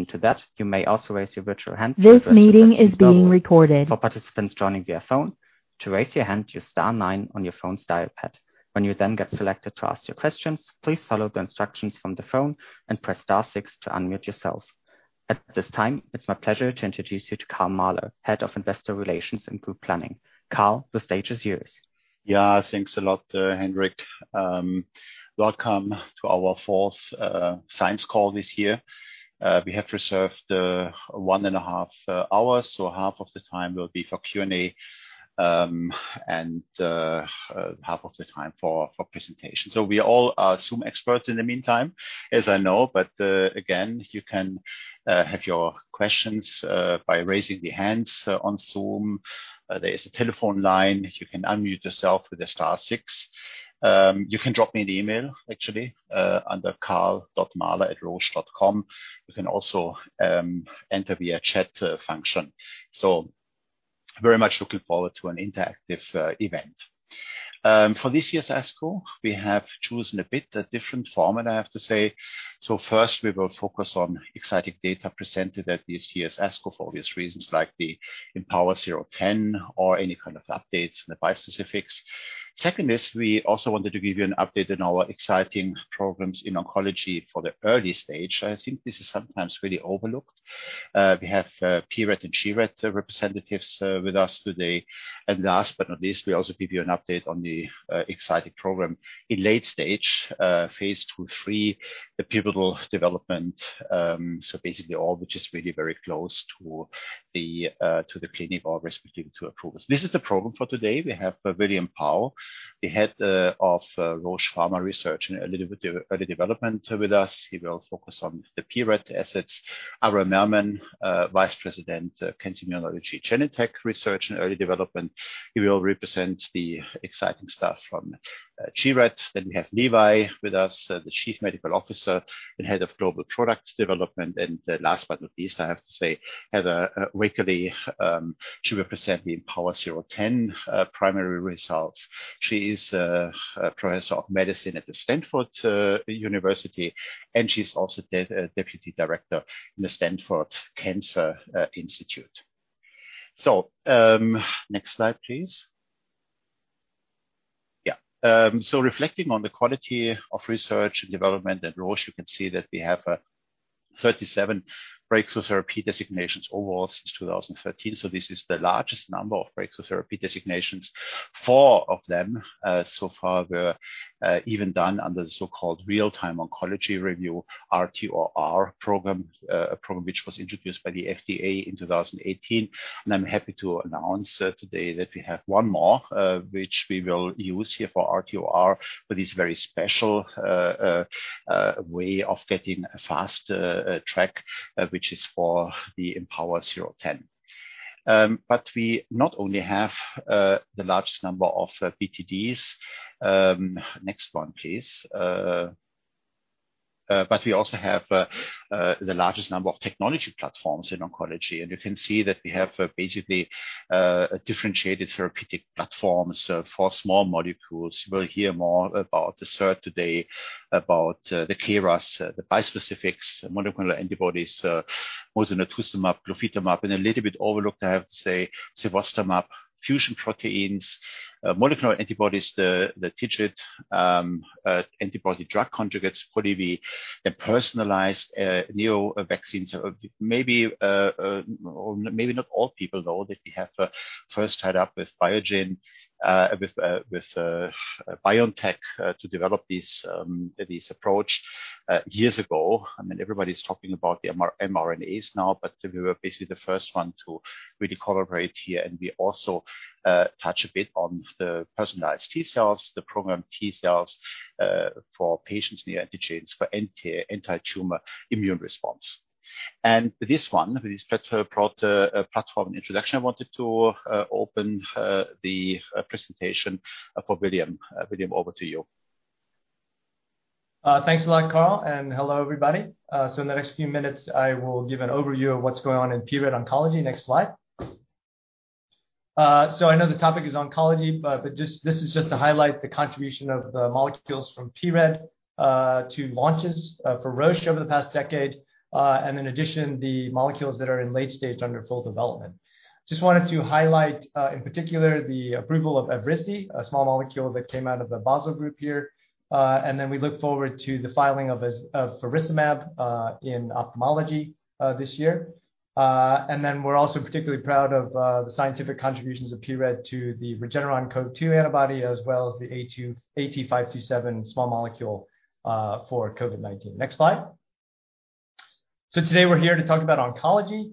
Into that, you may also raise your virtual hand. For participants joining via phone, to raise your hand, use star nine on your phone's dial pad. When you then get selected to ask your questions, please follow the instructions from the phone and press star six to unmute yourself. At this time, it's my pleasure to introduce you to Karl Mahler, Head of Investor Relations and Group Planning. Karl, the stage is yours. Yeah. Thanks a lot, Hendrik. Welcome to our fourth science call this year. We have reserved 1.5 hours, half of the time will be for Q&A, and half of the time for presentation. We all are Zoom experts in the meantime, as I know, but again, you can have your questions by raising the hands on Zoom. There is a telephone line. You can unmute yourself with star six. You can drop me an email, actually, under karl.mahler@roche.com. You can also enter via chat function. Very much looking forward to an interactive event. For this year's ASCO, we have chosen a bit a different format, I have to say. First, we will focus on exciting data presented at this year's ASCO for obvious reasons, like the IMpower010 or any kind of updates on the bispecifics. Second is we also wanted to give you an update on our exciting programs in oncology for the early stage. I think this is sometimes really overlooked. We have pRED and gRED representatives with us today. Last but not least, we also give you an update on the exciting program in late stage, phase II, III, the pivotal development, so basically all which is really very close to the clinic or respective to approvals. This is the program for today. We have William Pao, the Head of Roche Pharma Research and Early Development with us. He will focus on the pRED assets. Ira Mellman, Vice President, Cancer Immunology, Genentech Research and Early Development. He will represent the exciting stuff from gRED. We have Levi with us, the Chief Medical Officer and Head of Global Product Development. Last but not least, I have to say, Heather Wakelee. She will present the IMpower010 primary results. She is a Professor of Medicine at the Stanford University, and she's also Deputy Director in the Stanford Cancer Institute. Next slide, please. Yeah. Reflecting on the quality of research and development at Roche, you can see that we have 37 breakthrough therapy designations overall since 2013, this is the largest number of breakthrough therapy designations. Four of them so far were even done under the so-called Real-Time Oncology Review, RTOR program, a program which was introduced by the FDA in 2018. I'm happy to announce today that we have one more, which we will use here for RTOR, but it's very special way of getting a fast track, which is for the IMpower010. We not only have the largest number of BTDs. Next one, please. We also have the largest number of technology platforms in oncology. You can see that we have basically a differentiated therapeutic platforms for small molecules. We will hear more about the third today, about the KRAS, the bispecifics, monoclonal antibodies, mosunetuzumab, glofitamab, and a little bit overlooked, I have to say, cevostamab, fusion proteins, monoclonal antibodies, the TIGIT antibody drug conjugates, Polivy, and personalized neo vaccines. Not all people know that we have first tied up with BioNTech to develop this approach years ago. Everybody is talking about the mRNAs now, but we were basically the first one to really collaborate here. We also touch a bit on the personalized T-cells, the program T-cells, for patients' neo-antigens for anti-tumor immune response. This one, this platform introduction, I wanted to open the presentation for William. William, over to you. Thanks a lot, Karl. Hello, everybody. In the next few minutes, I will give an overview of what's going on in pRED oncology. Next slide. I know the topic is oncology, but this is just to highlight the contribution of the molecules from pRED to launches for Roche over the past decade. In addition, the molecules that are in late stage under full development. Just wanted to highlight, in particular, the approval of Evrysdi, a small molecule that came out of the Basel group here. We look forward to the filing of faricimab in ophthalmology this year. We are also particularly proud of the scientific contributions of pRED to the Regeneron REGEN-COV antibody, as well as the AT-527 small molecule for COVID-19. Next slide. Today, we are here to talk about oncology.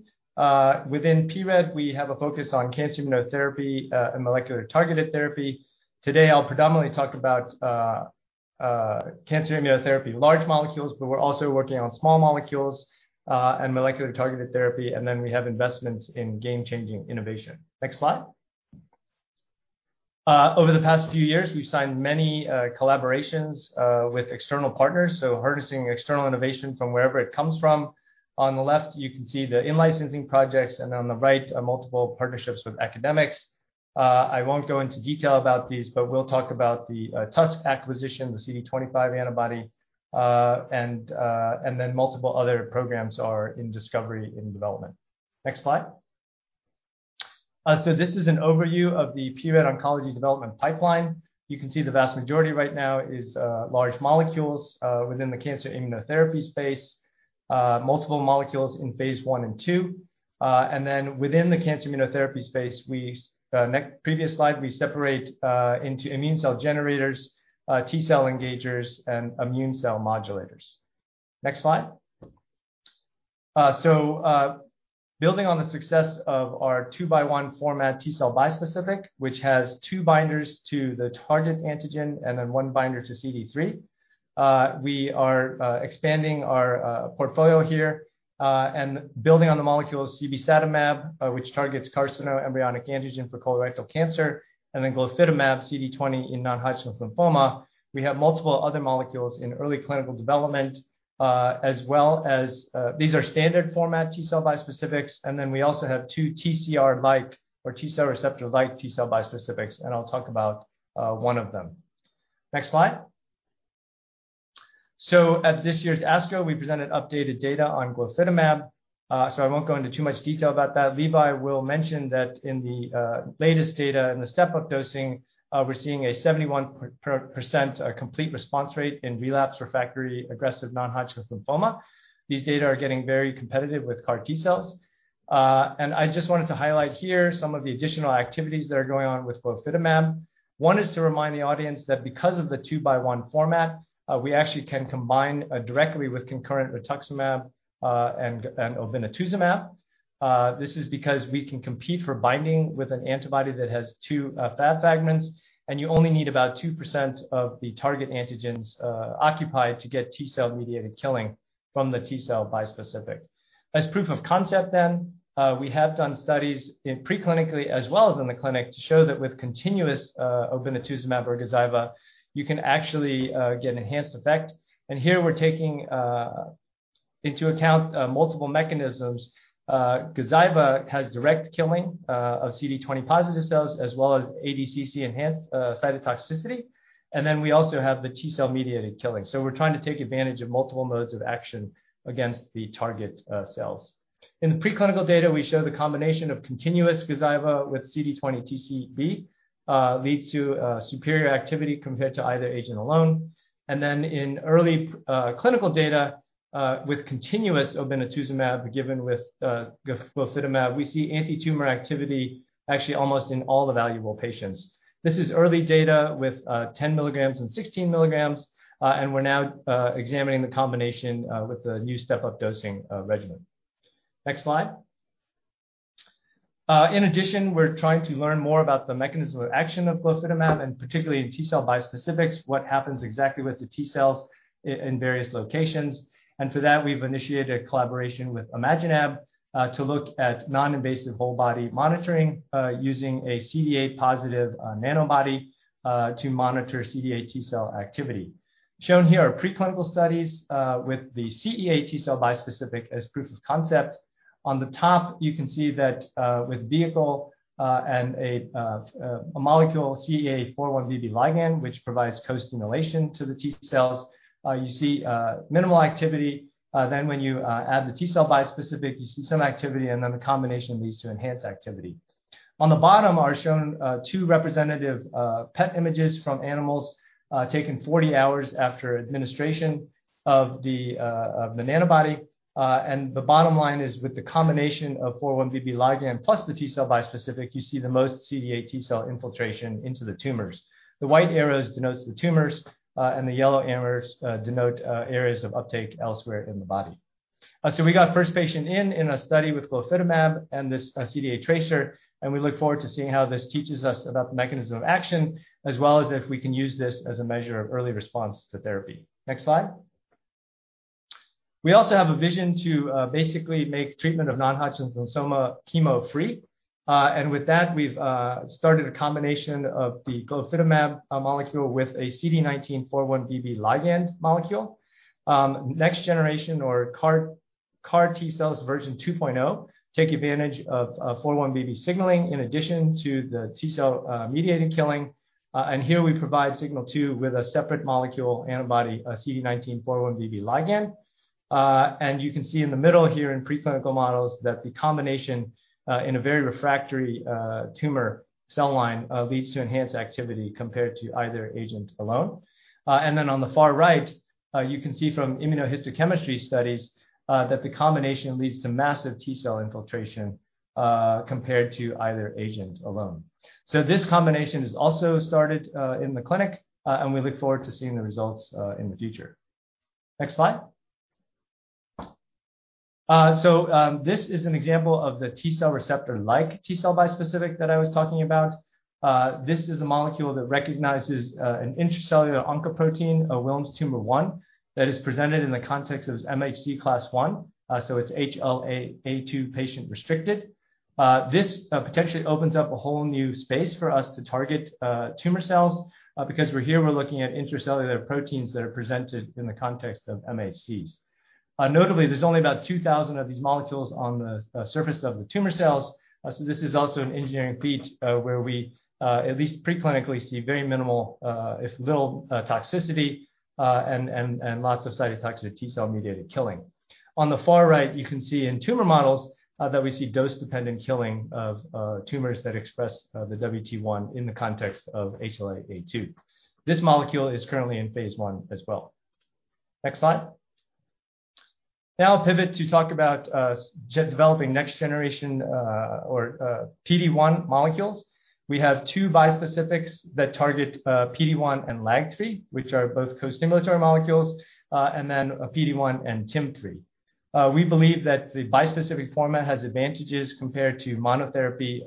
Within pRED, we have a focus on cancer immunotherapy and molecular-targeted therapy. Today, I'll predominantly talk about cancer immunotherapy large molecules, but we're also working on small molecules and molecular-targeted therapy, and then we have investments in game-changing innovation. Next slide. Over the past few years, we've signed many collaborations with external partners, so harnessing external innovation from wherever it comes from. On the left, you can see the in-licensing projects, and on the right are multiple partnerships with academics, I won't go into detail about these, but we'll talk about the Tusk acquisition, the CD25 antibody, and then multiple other programs are in discovery and development. Next slide. This is an overview of the pRED oncology development pipeline. You can see the vast majority right now is large molecules within the cancer immunotherapy space, multiple molecules in phase I and II. Within the cancer immunotherapy space, the previous slide, we separate into immune cell generators, T-cell engagers, and immune cell modulators. Next slide. Building on the success of our 2:1 format T-cell bispecific, which has two binders to the target antigen and then one binder to CD3, we are expanding our portfolio here. Building on the molecule cibisatamab, which targets carcinoembryonic antigen for colorectal cancer, and then glofitamab CD20 in non-Hodgkin's lymphoma. We have multiple other molecules in early clinical development as well as these are standard format T-cell bispecifics, and then we also have two TCR-like or T-cell receptor-like T-cell bispecifics, and I'll talk about one of them. Next slide. At this year's ASCO, we presented updated data on glofitamab, so I won't go into too much detail about that. Levi will mention that in the latest data in the step-up dosing, we're seeing a 71% complete response rate in relapse refractory aggressive non-Hodgkin's lymphoma. These data are getting very competitive with CAR T-cells. I just wanted to highlight here some of the additional activities that are going on with glofitamab. One is to remind the audience that because of the 2:1 format, we actually can combine directly with concurrent rituximab and obinutuzumab. This is because we can compete for binding with an antibody that has two Fab fragments, and you only need about 2% of the target antigens occupied to get T-cell-mediated killing from the T-cell bispecific. As proof of concept then, we have done studies preclinically as well as in the clinic to show that with continuous obinutuzumab or Gazyva, you can actually get enhanced effect. Here we're taking into account multiple mechanisms. Gazyva has direct killing of CD20 positive cells as well as ADCC-enhanced cytotoxicity. Then we also have the T-cell-mediated killing. We're trying to take advantage of multiple modes of action against the target cells. In the preclinical data, we show the combination of continuous Gazyva with CD20-TCB leads to superior activity compared to either agent alone. Then in early clinical data with continuous obinutuzumab given with glofitamab, we see antitumor activity actually almost in all evaluable patients. This is early data with 10 mg and 16 mg, and we're now examining the combination with the new step-up dosing regimen. Next slide. In addition, we're trying to learn more about the mechanism of action of glofitamab, and particularly in T-cell bispecifics, what happens exactly with the T-cells in various locations. For that, we've initiated a collaboration with ImaginAb to look at non-invasive whole-body monitoring using a CEA positive nanobody to monitor CEA T-cell activity. Shown here are preclinical studies with the CEA T-cell bispecific as proof of concept. On the top, you can see that with vehicle and a molecule CEA 4-1BB ligand, which provides co-stimulation to the T-cells, you see minimal activity. When you add the T-cell bispecific, you see some activity, and then the combination leads to enhanced activity. On the bottom, are shown two representative PET images from animals taken 40 hours after administration of the nanobody. The bottom line is with the combination of CD19 4-1BB ligand plus the T-cell bispecific, you see the most CEA T-cell infiltration into the tumors. The white arrows denote the tumors, and the yellow arrows denote areas of uptake elsewhere in the body. We got first patient in in a study with glofitamab and this CEA tracer, and we look forward to seeing how this teaches us about mechanism of action as well as if we can use this as a measure of early response to therapy. Next slide. We also have a vision to basically make treatment of non-Hodgkin's lymphoma chemo-free. With that, we've started a combination of the glofitamab molecule with a CD19 4-1BB ligand molecule. Next generation or CAR T-cells version 2.0 take advantage of CD19 4-1BB signaling in addition to the T-cell-mediated killing. Here we provide signal two with a separate molecule antibody, a CD19 4-1BB ligand. You can see in the middle here in preclinical models that the combination in a very refractory tumor cell line leads to enhanced activity compared to either agent alone. On the far right, you can see from immunohistochemistry studies that the combination leads to massive T-cell infiltration compared to either agent alone. This combination is also started in the clinic, and we look forward to seeing the results in the future. Next slide. This is an example of the T-cell receptor-like T-cell bispecific that I was talking about. This is a molecule that recognizes an intracellular oncoprotein, Wilms' tumor 1, that is presented in the context of MHC class I. It's HLA-A2 patient restricted. This potentially opens up a whole new space for us to target tumor cells, because here we're looking at intracellular proteins that are presented in the context of MHCs. Notably, there's only about 2,000 of these molecules on the surface of the tumor cells. This is also an engineering feat where we at least pre-clinically see very minimal, if little, toxicity and lots of cytotoxic T-cell-mediated killing. On the far right, you can see in tumor models that we see dose-dependent killing of tumors that express the WT1 in the context of HLA-A2. This molecule is currently in phase I as well. Next slide. I'll pivot to talk about developing next generation or PD-1 molecules. We have two bispecifics that target PD-1 and LAG-3, which are both co-stimulatory molecules, and then PD-1 and TIM-3. We believe that the bispecific format has advantages compared to monotherapy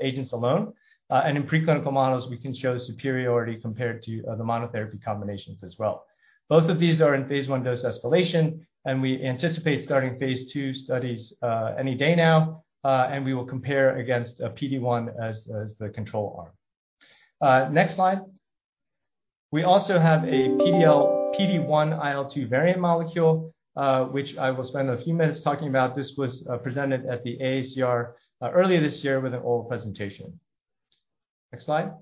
agents alone. In preclinical models, we can show superiority compared to the monotherapy combinations as well. Both of these are in phase I dose escalation, and we anticipate starting phase II studies any day now, and we will compare against PD-1 as the control arm. Next slide. We also have a PD-1 IL-2 variant molecule, which I will spend a few minutes talking about. This was presented at the AACR earlier this year with an oral presentation. Next slide.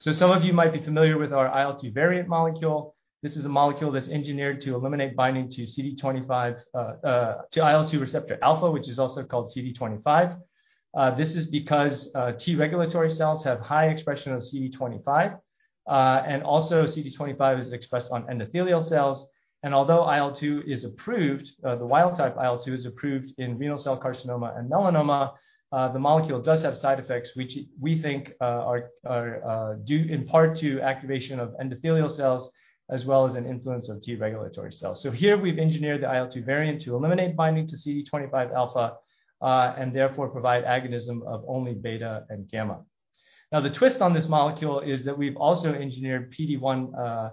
Some of you might be familiar with our IL-2 variant molecule. This is a molecule that's engineered to eliminate binding to IL-2 receptor alpha, which is also called CD25. This is because T regulatory cells have high expression of CD25, and also CD25 is expressed on endothelial cells. Although IL-2 is approved, the wild type IL-2 is approved in renal cell carcinoma and melanoma, the molecule does have side effects, which we think are due in part to activation of endothelial cells as well as an influence of T regulatory cells. Here we've engineered the IL-2 variant to eliminate binding to CD25 alpha, and therefore provide agonism of only beta and gamma. The twist on this molecule is that we've also engineered PD-1,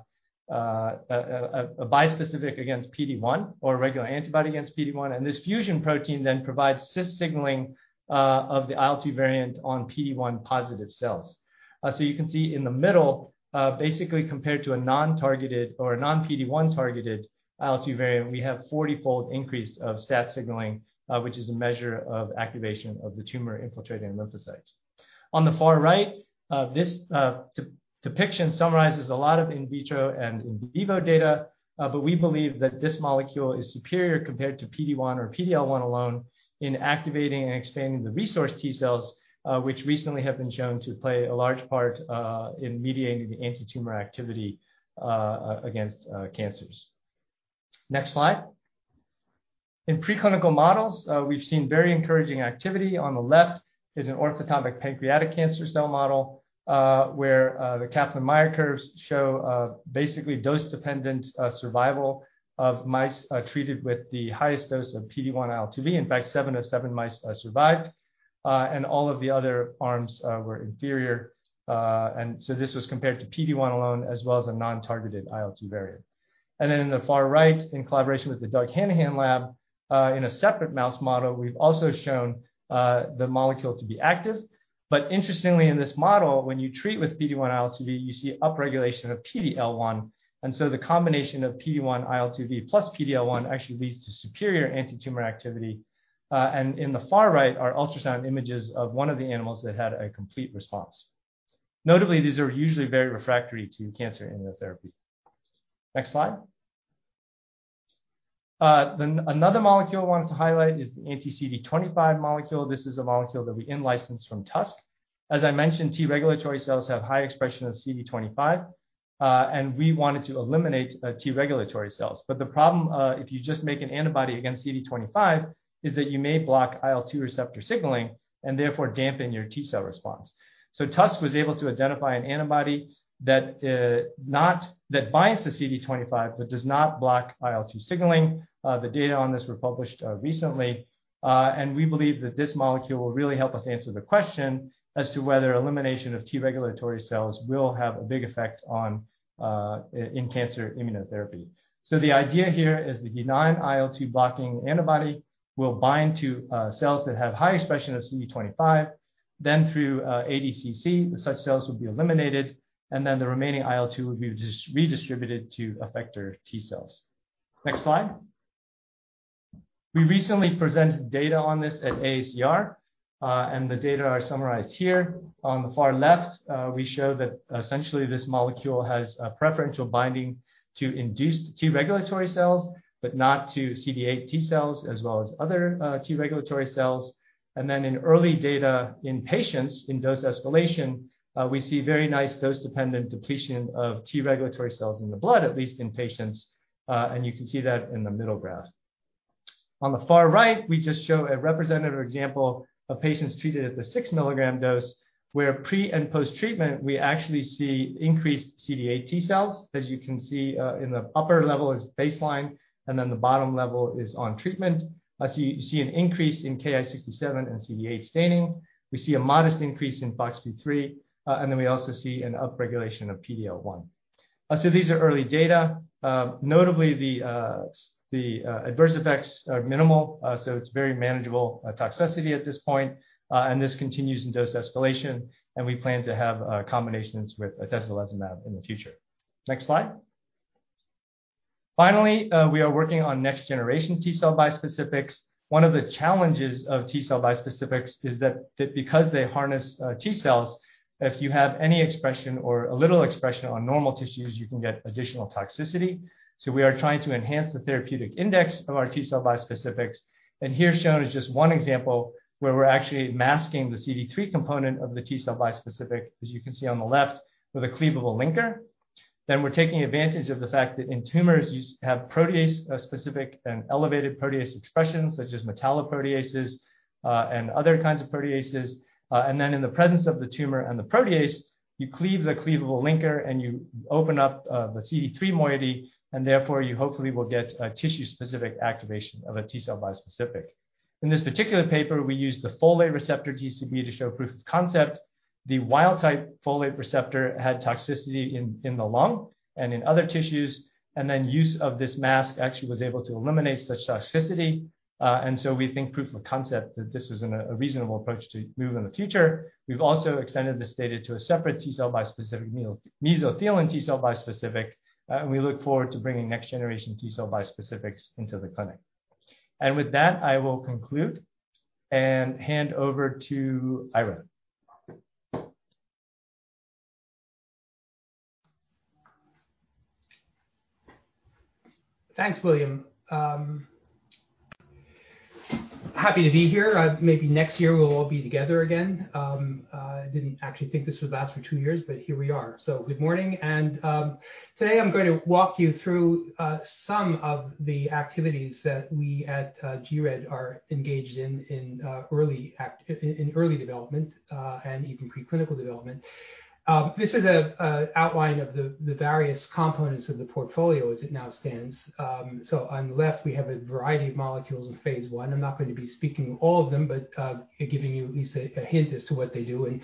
a bispecific against PD-1 or a regular antibody against PD-1, and this fusion protein then provides cis signaling of the IL-2 variant on PD-1 positive cells. You can see in the middle, basically compared to a non-targeted or a non-PD-1 targeted IL-2 variant, we have 40-fold increase of STAT signaling, which is a measure of activation of the tumor infiltrating lymphocytes. On the far right, this depiction summarizes a lot of in vitro and in vivo data. We believe that this molecule is superior compared to PD-1 or PD-L1 alone in activating and expanding the V source T-cells, which recently have been shown to play a large part in mediating the anti-tumor activity against cancers. Next slide. In pre-clinical models, we've seen very encouraging activity. On the left is an orthotopic pancreatic cancer cell model, where the Kaplan-Meier curves show basically dose-dependent survival of mice treated with the highest dose of PD-1 IL-2V. In fact, seven of seven mice survived, and all of the other arms were inferior. This was compared to PD-1 alone, as well as a non-targeted IL-2 variant. Then in the far right, in collaboration with the Doug Hanahan lab, in a separate mouse model, we've also shown the molecule to be active. Interestingly, in this model, when you treat with PD-1 IL-2V, you see upregulation of PD-L1. The combination of PD-1 IL-2V plus PD-L1 actually leads to superior anti-tumor activity. In the far right are ultrasound images of one of the animals that had a complete response. Notably, these are usually very refractory to cancer immunotherapy. Next slide. Another molecule I wanted to highlight is the anti-CD25 molecule. This is a molecule that we in-licensed from Tusk. As I mentioned, T regulatory cells have high expression of CD25, and we wanted to eliminate T regulatory cells. The problem if you just make an antibody against CD25 is that you may block IL-2 receptor signaling and therefore dampen your T-cell response. Tusk was able to identify an antibody that binds to CD25 but does not block IL-2 signaling. The data on this were published recently. We believe that this molecule will really help us answer the question as to whether elimination of T regulatory cells will have a big effect in cancer immunotherapy. The idea here is the G9 IL-2 blocking antibody will bind to cells that have high expression of CD25. Through ADCC, such cells will be eliminated, and then the remaining IL-2 will be redistributed to effector T cells. Next slide. We recently presented data on this at AACR, and the data are summarized here. On the far left, we show that essentially this molecule has a preferential binding to induced T regulatory cells, but not to CD8 T-cells as well as other T regulatory cells. In early data in patients in dose escalation, we see very nice dose-dependent depletion of T regulatory cells in the blood, at least in patients. You can see that in the middle graph. On the far right, we just show a representative example of patients treated at the 6 mg dose, where pre and post-treatment, we actually see increased CD8 T-cells, as you can see in the upper level is baseline, and then the bottom level is on treatment, as you see an increase in Ki-67 and CD8 staining. We see a modest increase in FOXP3, and then we also see an upregulation of PD-L1. These are early data. Notably, the adverse effects are minimal, so it's very manageable toxicity at this point, and this continues in dose escalation, and we plan to have combinations with atezolizumab in the future. Next slide. Finally, we are working on next-generation T-cell bispecifics. One of the challenges of T-cell bispecifics is that because they harness T-cells, if you have any expression or a little expression on normal tissues, you can get additional toxicity. We are trying to enhance the therapeutic index of our T-cell bispecifics. Here shown is just one example where we're actually masking the CD3 component of the T-cell bispecific, as you can see on the left, with a cleavable linker. We're taking advantage of the fact that in tumors you have protease-specific and elevated protease expressions such as metalloproteases, and other kinds of proteases. In the presence of the tumor and the protease, you cleave the cleavable linker, and you open up the CD3 moiety, and therefore, you hopefully will get a tissue-specific activation of a T-cell bispecific. In this particular paper, we used the folate receptor TCB to show proof of concept. The wild-type folate receptor had toxicity in the lung and in other tissues, and then use of this mask actually was able to eliminate such toxicity. We think proof of concept that this is a reasonable approach to move in the future. We've also extended this data to a separate T-cell bispecific, mesothelin T-cell bispecific. We look forward to bringing next generation T-cell bispecifics into the clinic. With that, I will conclude and hand over to Ira. Thanks, William. Happy to be here. Maybe next year we'll all be together again. I didn't actually think this would last for two years, but here we are. Good morning. Today I'm going to walk you through some of the activities that we at gRED are engaged in early development, and even pre-clinical development. This is an outline of the various components of the portfolio as it now stands. On the left, we have a variety of molecules in phase I. I'm not going to be speaking of all of them, but giving you at least a hint as to what they do.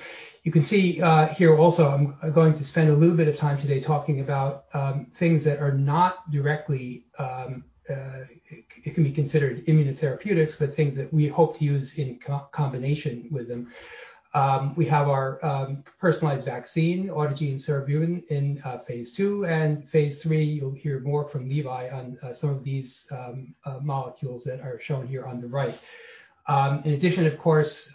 You can see here also, I'm going to spend a little bit of time today talking about things that are not directly, it can be considered immunotherapeutics, but things that we hope to use in combination with them. We have our personalized vaccine, autogene cevumeran, in phase II and phase III. You'll hear more from Levi on some of these molecules that are shown here on the right. In addition, of course,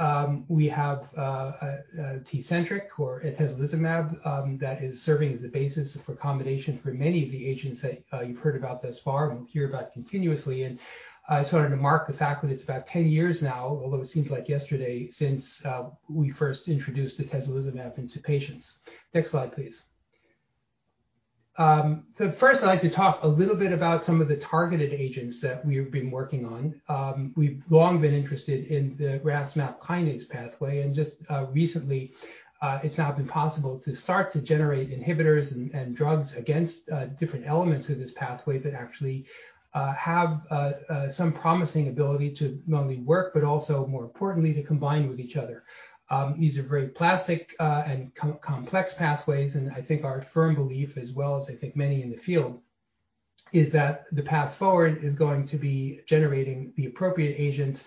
we have Tecentriq or atezolizumab, that is serving as the basis for combination for many of the agents that you've heard about thus far and will hear about continuously. I just wanted to mark the fact that it's about 10 years now, although it seems like yesterday, since we first introduced atezolizumab into patients. Next slide, please. First I'd like to talk a little bit about some of the targeted agents that we've been working on. We've long been interested in the Ras/MAPK pathway. Just recently, it's now been possible to start to generate inhibitors and drugs against different elements of this pathway that actually have some promising ability to not only work, but also, more importantly, to combine with each other. These are very plastic and complex pathways. I think our firm belief, as well as I think many in the field, is that the path forward is going to be generating the appropriate agents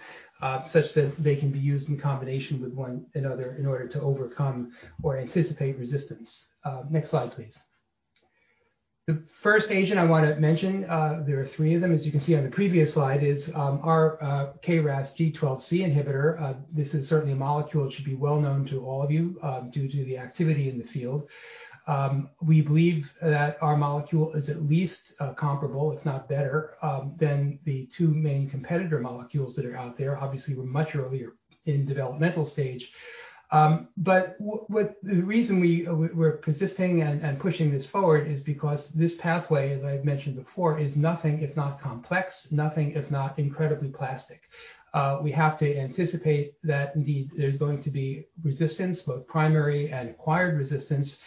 such that they can be used in combination with one another in order to overcome or anticipate resistance. Next slide, please. The first agent I want to mention, there are three of them, as you can see on the previous slide, is our KRAS G12C inhibitor. This is certainly a molecule that should be well known to all of you due to the activity in the field. We believe that our molecule is at least comparable, if not better, than the two main competitor molecules that are out there. Obviously, we're much earlier in developmental stage. The reason we're persisting and pushing this forward is because this pathway, as I've mentioned before, is nothing if not complex, nothing if not incredibly plastic. We have to anticipate that indeed there's going to be resistance, both primary and acquired resistance,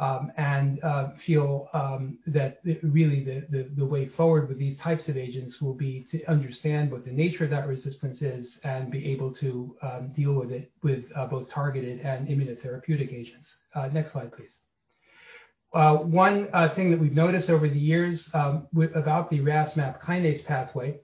and feel that really the way forward with these types of agents will be to understand what the nature of that resistance is and be able to deal with it with both targeted and immunotherapeutic agents. Next slide, please. One thing that we've noticed over the years about the Ras/MAPK pathway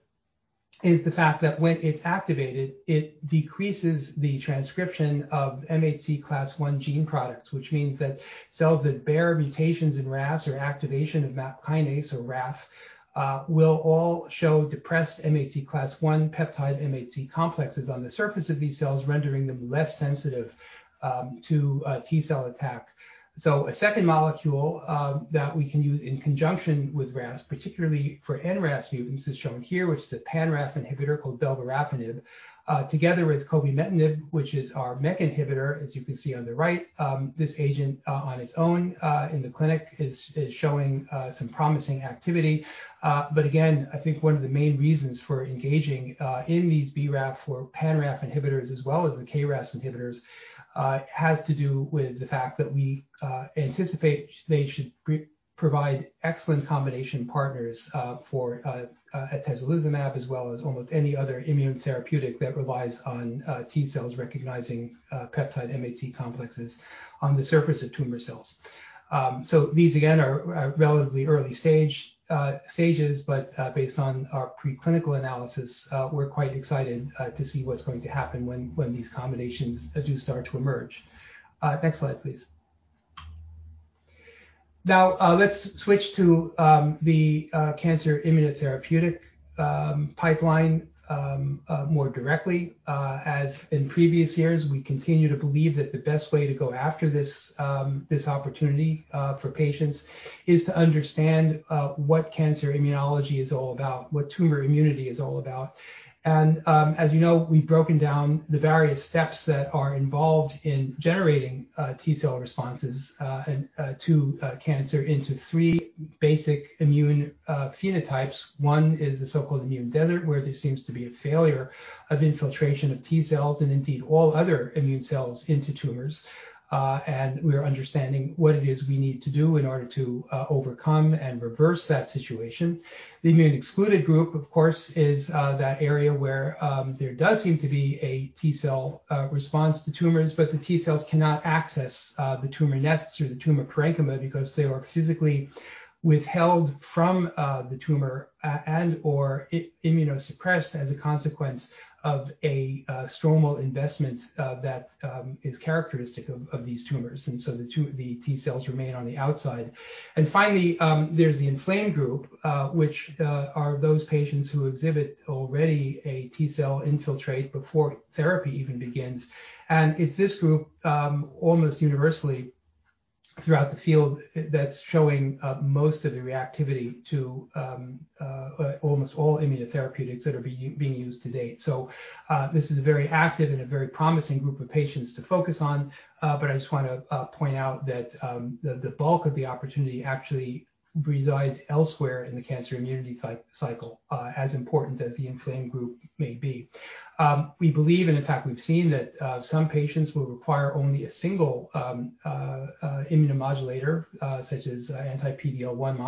is the fact that when it's activated, it decreases the transcription of MHC class I gene products, which means that cells that bear mutations in Ras or activation of MAPK or RAF, will all show depressed MHC class I peptide MHC complexes on the surface of these cells, rendering them less sensitive to T-cell attack. A second molecule that we can use in conjunction with Ras, particularly for NRAS mutants, is shown here, which is a pan-RAF inhibitor called belvarafenib, together with cobimetinib, which is our MEK inhibitor, as you can see on the right. This agent on its own in the clinic is showing some promising activity. Again, I think one of the main reasons for engaging in these BRAF or pan-RAF inhibitors as well as the KRAS inhibitors, has to do with the fact that we anticipate they should provide excellent combination partners for atezolizumab as well as almost any other immune therapeutic that relies on T-cells recognizing peptide MHC complexes on the surface of tumor cells. These again are relatively early stages, but based on our pre-clinical analysis, we're quite excited to see what's going to happen when these combinations do start to emerge. Next slide, please. Let's switch to the cancer immunotherapeutic pipeline more directly. As in previous years, we continue to believe that the best way to go after this opportunity for patients is to understand what cancer immunology is all about, what tumor immunity is all about. As you know, we've broken down the various steps that are involved in generating T-cell responses to cancer into three basic immune phenotypes. One is the so-called immune desert, where there seems to be a failure of infiltration of T-cells and indeed all other immune cells into tumors, and we're understanding what it is we need to do in order to overcome and reverse that situation. The immune excluded group, of course, is that area where there does seem to be a T-cell response to tumors, but the T-cells cannot access the tumor nests or the tumor parenchyma because they are physically withheld from the tumor and/or immunosuppressed as a consequence of a stromal investment that is characteristic of these tumors. The T-cells remain on the outside. Finally, there's the inflamed group, which are those patients who exhibit already a T-cell infiltrate before therapy even begins. It's this group, almost universally throughout the field, that's showing most of the reactivity to almost all immunotherapeutics that are being used to date. This is a very active and a very promising group of patients to focus on. I just want to point out that the bulk of the opportunity actually resides elsewhere in the cancer immunity cycle, as important as the inflamed group may be. We believe, and in fact, we've seen that some patients will require only a single immunomodulator, such as anti-PD-L1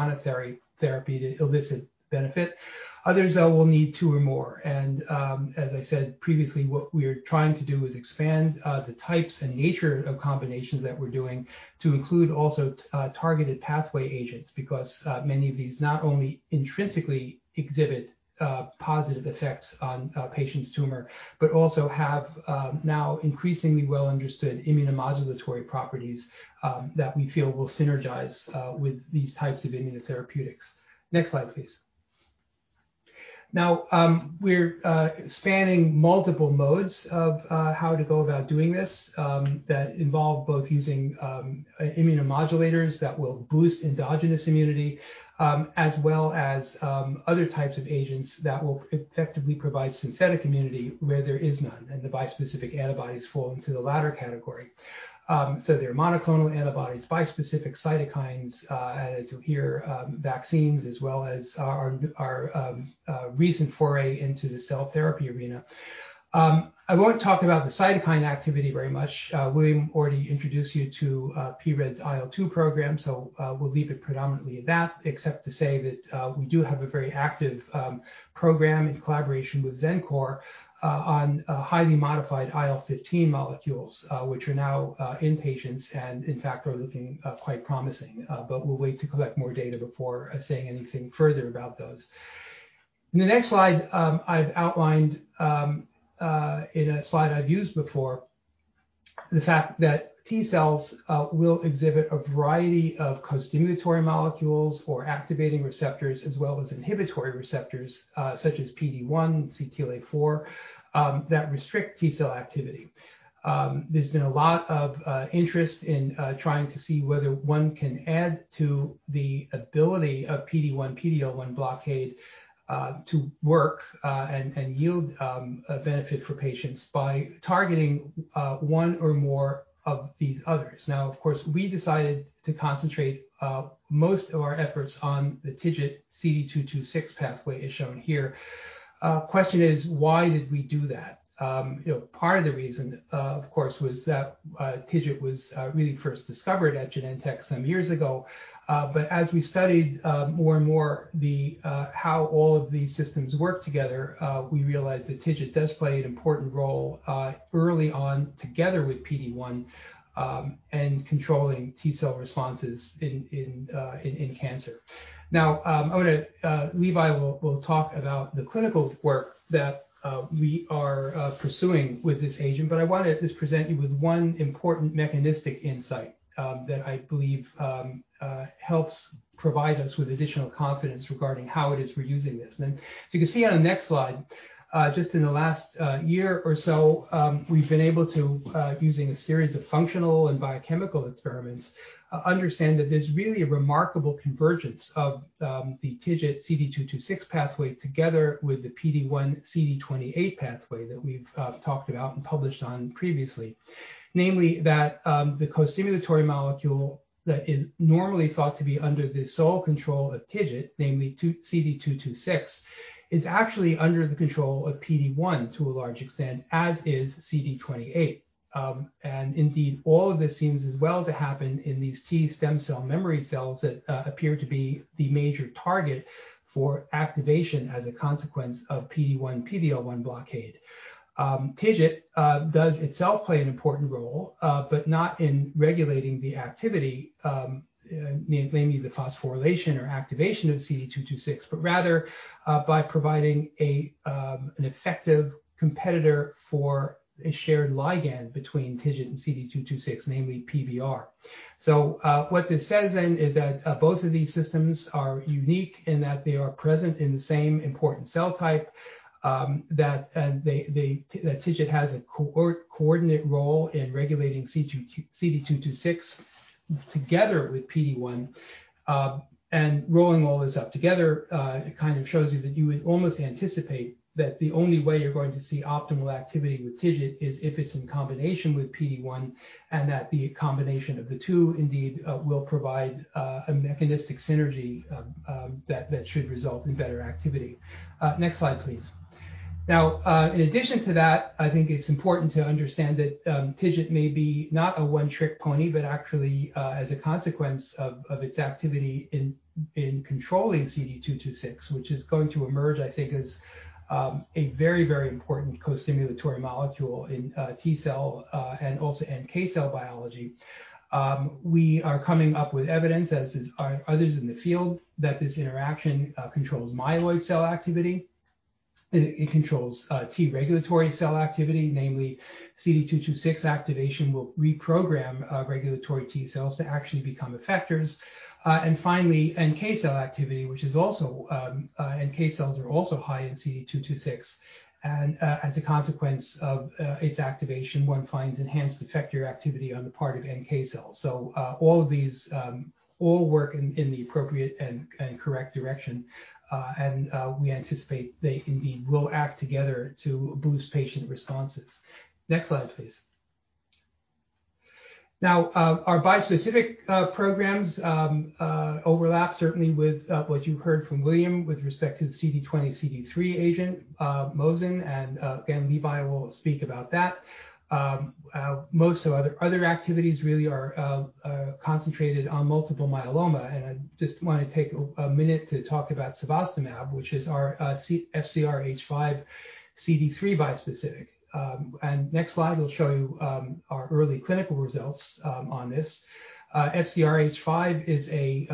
monotherapy, to elicit benefit. Others will need two or more. As I said previously, what we are trying to do is expand the types and nature of combinations that we're doing to include also targeted pathway agents. Because many of these not only intrinsically exhibit positive effects on a patient's tumor, but also have now increasingly well-understood immunomodulatory properties that we feel will synergize with these types of immunotherapeutics. Next slide, please. Now, we're spanning multiple modes of how to go about doing this, that involve both using immunomodulators that will boost endogenous immunity, as well as other types of agents that will effectively provide synthetic immunity where there is none, and the bispecific antibodies fall into the latter category. They're monoclonal antibodies, bispecific cytokines, as you'll hear, vaccines, as well as our recent foray into the cell therapy arena. I won't talk about the cytokine activity very much. William already introduced you to pRED's IL-2 program, so we'll leave it predominantly at that, except to say that we do have a very active program in collaboration with Xencor on highly modified IL-15 molecules, which are now in patients and in fact are looking quite promising. We'll wait to collect more data before saying anything further about those. In the next slide, I've outlined in a slide I've used before the fact that T-cells will exhibit a variety of costimulatory molecules for activating receptors as well as inhibitory receptors such as PD-1 and CTLA-4 that restrict T-cell activity. There's been a lot of interest in trying to see whether one can add to the ability of PD-1, PD-L1 blockade to work and yield a benefit for patients by targeting one or more of these others. Of course, we decided to concentrate most of our efforts on the TIGIT CD226 pathway, as shown here. Question is, why did we do that? Part of the reason, of course, was that TIGIT was really first discovered at Genentech some years ago. As we studied more and more how all of these systems work together, we realized that TIGIT does play an important role early on together with PD-1 in controlling T-cell responses in cancer. Levi will talk about the clinical work that we are pursuing with this agent. I want to at least present you with one important mechanistic insight that I believe helps provide us with additional confidence regarding how it is we're using this. As you can see on the next slide, just in the last year or so, we've been able to, using a series of functional and biochemical experiments, understand that there's really a remarkable convergence of the TIGIT CD226 pathway together with the PD-1 CD28 pathway that we've talked about and published on previously. Namely, that the costimulatory molecule that is normally thought to be under the sole control of TIGIT, namely CD226, is actually under the control of PD-1 to a large extent, as is CD28. Indeed, all of this seems as well to happen in these T stem cell memory cells that appear to be the major target for activation as a consequence of PD-1, PD-L1 blockade. TIGIT does itself play an important role, but not in regulating the activity, namely the phosphorylation or activation of CD226, but rather by providing an effective competitor for a shared ligand between TIGIT and CD226, namely PVR. What this says then is that both of these systems are unique in that they are present in the same important cell type, that TIGIT has a coordinate role in regulating CD226 together with PD-1. Rolling all this up together, it shows you that you would almost anticipate that the only way you're going to see optimal activity with TIGIT is if it's in combination with PD-1, and that the combination of the two indeed will provide a mechanistic synergy that should result in better activity. Next slide, please. In addition to that, I think it's important to understand that TIGIT may be not a one-trick pony, but actually, as a consequence of its activity in controlling CD226, which is going to emerge, I think as a very important co-stimulatory molecule in T-cell and also NK cell biology. We are coming up with evidence, as are others in the field, that this interaction controls myeloid cell activity. It controls T regulatory cell activity, namely CD226 activation will reprogram regulatory T-cells to actually become effectors. Finally, NK cell activity, NK cells are also high in CD226. As a consequence of its activation, one finds enhanced effector activity on the part of NK cells. All of these all work in the appropriate and correct direction, and we anticipate they indeed will act together to boost patient responses. Next slide, please. Our bispecific programs overlap certainly with what you heard from William with respect to CD20 x CD3 agent, mosunetuzumab, and Levi Garraway will speak about that. Most of our other activities really are concentrated on multiple myeloma, and I just want to take a minute to talk about cevostamab, which is our FcRH5 x CD3 bispecific. Next slide will show you our early clinical results on this. FcRH5 is a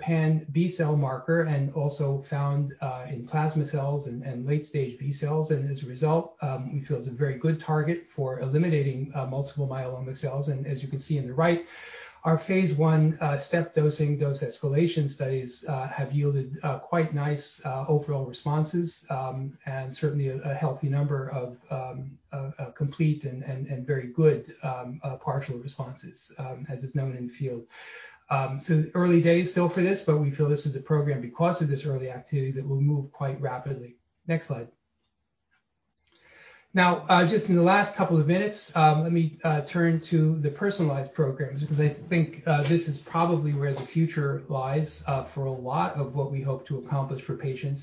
pan-B cell marker and also found in plasma cells and late-stage B cells. As a result, we feel it's a very good target for eliminating multiple myeloma cells. As you can see on the right, our phase I step-dosing dose escalation studies have yielded quite nice overall responses, and certainly a healthy number of complete and very good partial responses as is known in the field. It's early days still for this, but we feel this is a program because of this early activity that will move quite rapidly. Next slide. Just in the last couple of minutes, let me turn to the personalized programs, because I think this is probably where the future lies for a lot of what we hope to accomplish for patients.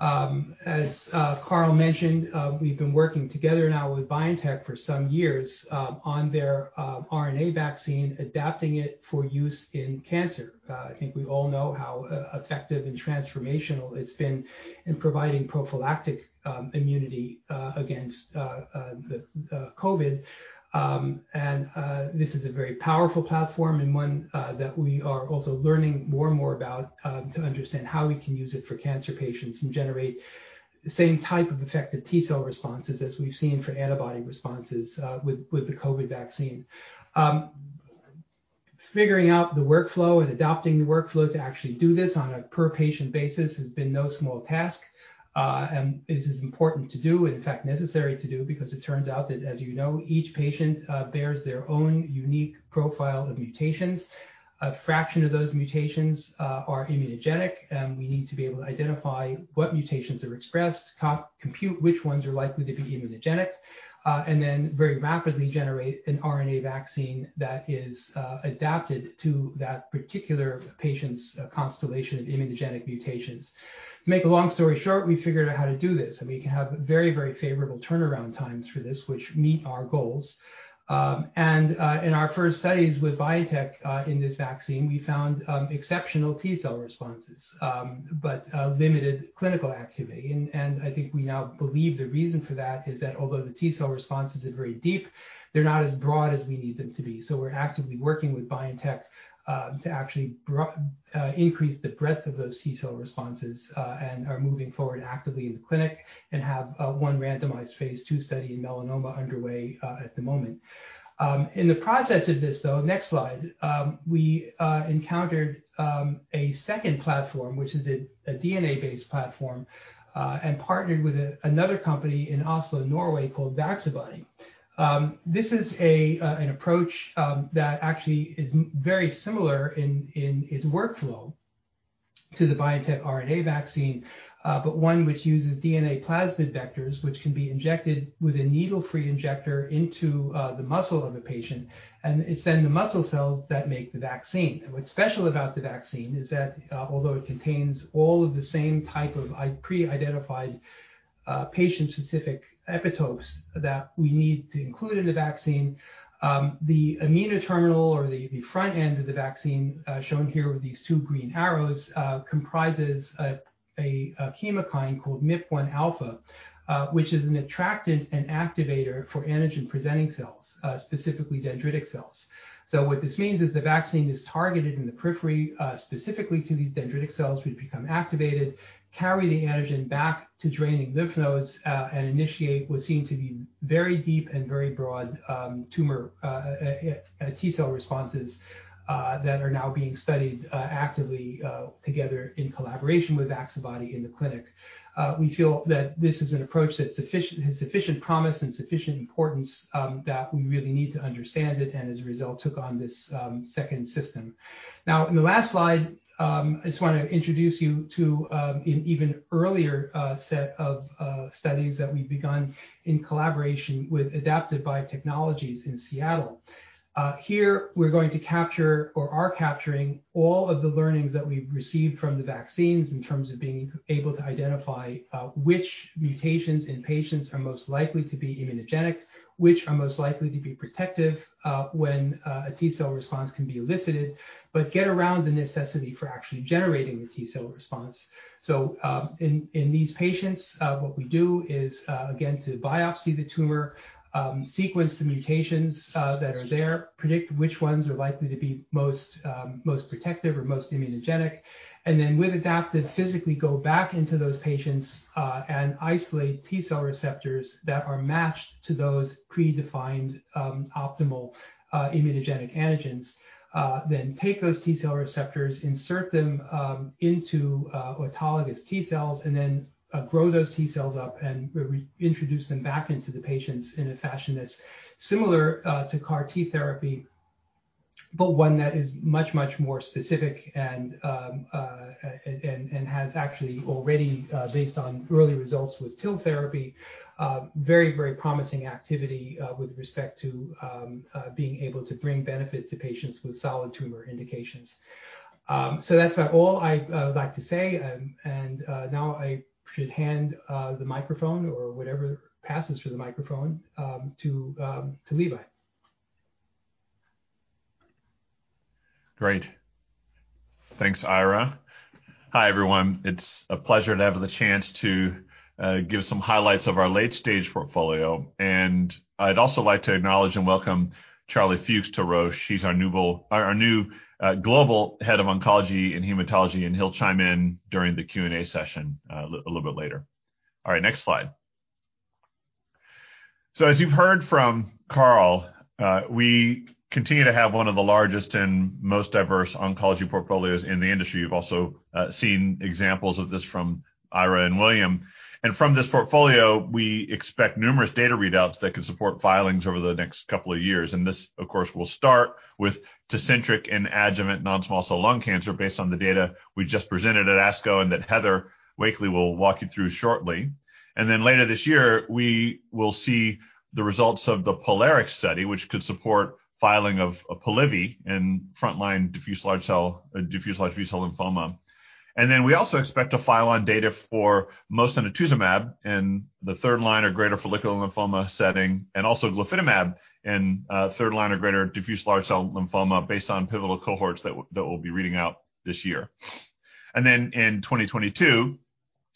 As Karl mentioned, we've been working together now with BioNTech for some years on their RNA vaccine, adapting it for use in cancer. I think we all know how effective and transformational it's been in providing prophylactic immunity against COVID. This is a very powerful platform, and one that we are also learning more and more about to understand how we can use it for cancer patients and generate the same type of effective T-cell responses as we've seen for antibody responses with the COVID vaccine. Figuring out the workflow and adapting the workflow to actually do this on a per-patient basis has been no small task. It is important to do, and in fact, necessary to do, because it turns out that, as you know, each patient bears their own unique profile of mutations. A fraction of those mutations are immunogenic, and we need to be able to identify what mutations are expressed, compute which ones are likely to be immunogenic, and then very rapidly generate an RNA vaccine that is adapted to that particular patient's constellation of immunogenic mutations. To make a long story short, we figured out how to do this, and we can have very favorable turnaround times for this, which meet our goals. In our first studies with BioNTech in this vaccine, we found exceptional T-cell responses, but limited clinical activity. I think we now believe the reason for that is that although the T-cell responses are very deep, they're not as broad as we need them to be. We're actively working with BioNTech to actually increase the breadth of those T-cell responses and are moving forward actively in the clinic and have one randomized phase II study in melanoma underway at the moment. In the process of this, though, next slide, we encountered a second platform, which is a DNA-based platform, and partnered with another company in Oslo, Norway, called Vaccibody. This is an approach that actually is very similar in its workflow to the BioNTech RNA vaccine, but one which uses DNA plasmid vectors, which can be injected with a needle-free injector into the muscle of a patient, and it's then the muscle cells that make the vaccine. What's special about the vaccine is that although it contains all of the same type of pre-identified patient-specific epitopes that we need to include in the vaccine. The amino terminal, or the front end of the vaccine, shown here with these two green arrows, comprises a chemokine called MIP-1 alpha, which is an attractant and activator for antigen-presenting cells, specifically dendritic cells. What this means is the vaccine is targeted in the periphery, specifically to these dendritic cells, which become activated, carry the antigen back to draining lymph nodes, and initiate what seem to be very deep and very broad T-cell responses that are now being studied actively together in collaboration with Vaccibody in the clinic. We feel that this is an approach that has sufficient promise and sufficient importance that we really need to understand it, and as a result, took on this second system. In the last slide, I just want to introduce you to an even earlier set of studies that we've begun in collaboration with Adaptive Biotechnologies in Seattle. Here, we're going to capture or are capturing all of the learnings that we've received from the vaccines in terms of being able to identify which mutations in patients are most likely to be immunogenic, which are most likely to be protective when a T-cell response can be elicited, but get around the necessity for actually generating the T-cell response. So, in these patients, what we do is, again, to biopsy the tumor, sequence the mutations that are there, predict which ones are likely to be most protective or most immunogenic, and then with Adaptive, physically go back into those patients and isolate T-cell receptors that are matched to those predefined optimal immunogenic antigens. Take those T-cell receptors, insert them into autologous T-cells, and then grow those T-cells up and reintroduce them back into the patients in a fashion that's similar to CAR T therapy, but one that is much, much more specific and has actually already, based on early results with TIL therapy, very promising activity with respect to being able to bring benefit to patients with solid tumor indications. That's about all I'd like to say, and now I should hand the microphone, or whatever passes for the microphone, to Levi. Great. Thanks, Ira. Hi, everyone. It's a pleasure to have the chance to give some highlights of our late-stage portfolio. I'd also like to acknowledge and welcome Charlie Fuchs to Roche. He's our new Global Head of Oncology and Hematology, and he'll chime in during the Q&A session a little bit later. All right, next slide. As you've heard from Karl, we continue to have one of the largest and most diverse oncology portfolios in the industry. You've also seen examples of this from Ira and William. From this portfolio, we expect numerous data readouts that can support filings over the next couple of years. This, of course, will start with Tecentriq in adjuvant non-small cell lung cancer based on the data we just presented at ASCO and that Heather Wakelee will walk you through shortly. Later this year, we will see the results of the POLARIX study, which could support filing of Polivy in frontline diffuse large B-cell lymphoma. We also expect to file on data for mosunetuzumab in the third-line or greater follicular lymphoma setting and also glofitamab in third-line or greater diffuse large B-cell lymphoma based on pivotal cohorts that we'll be reading out this year. In 2022,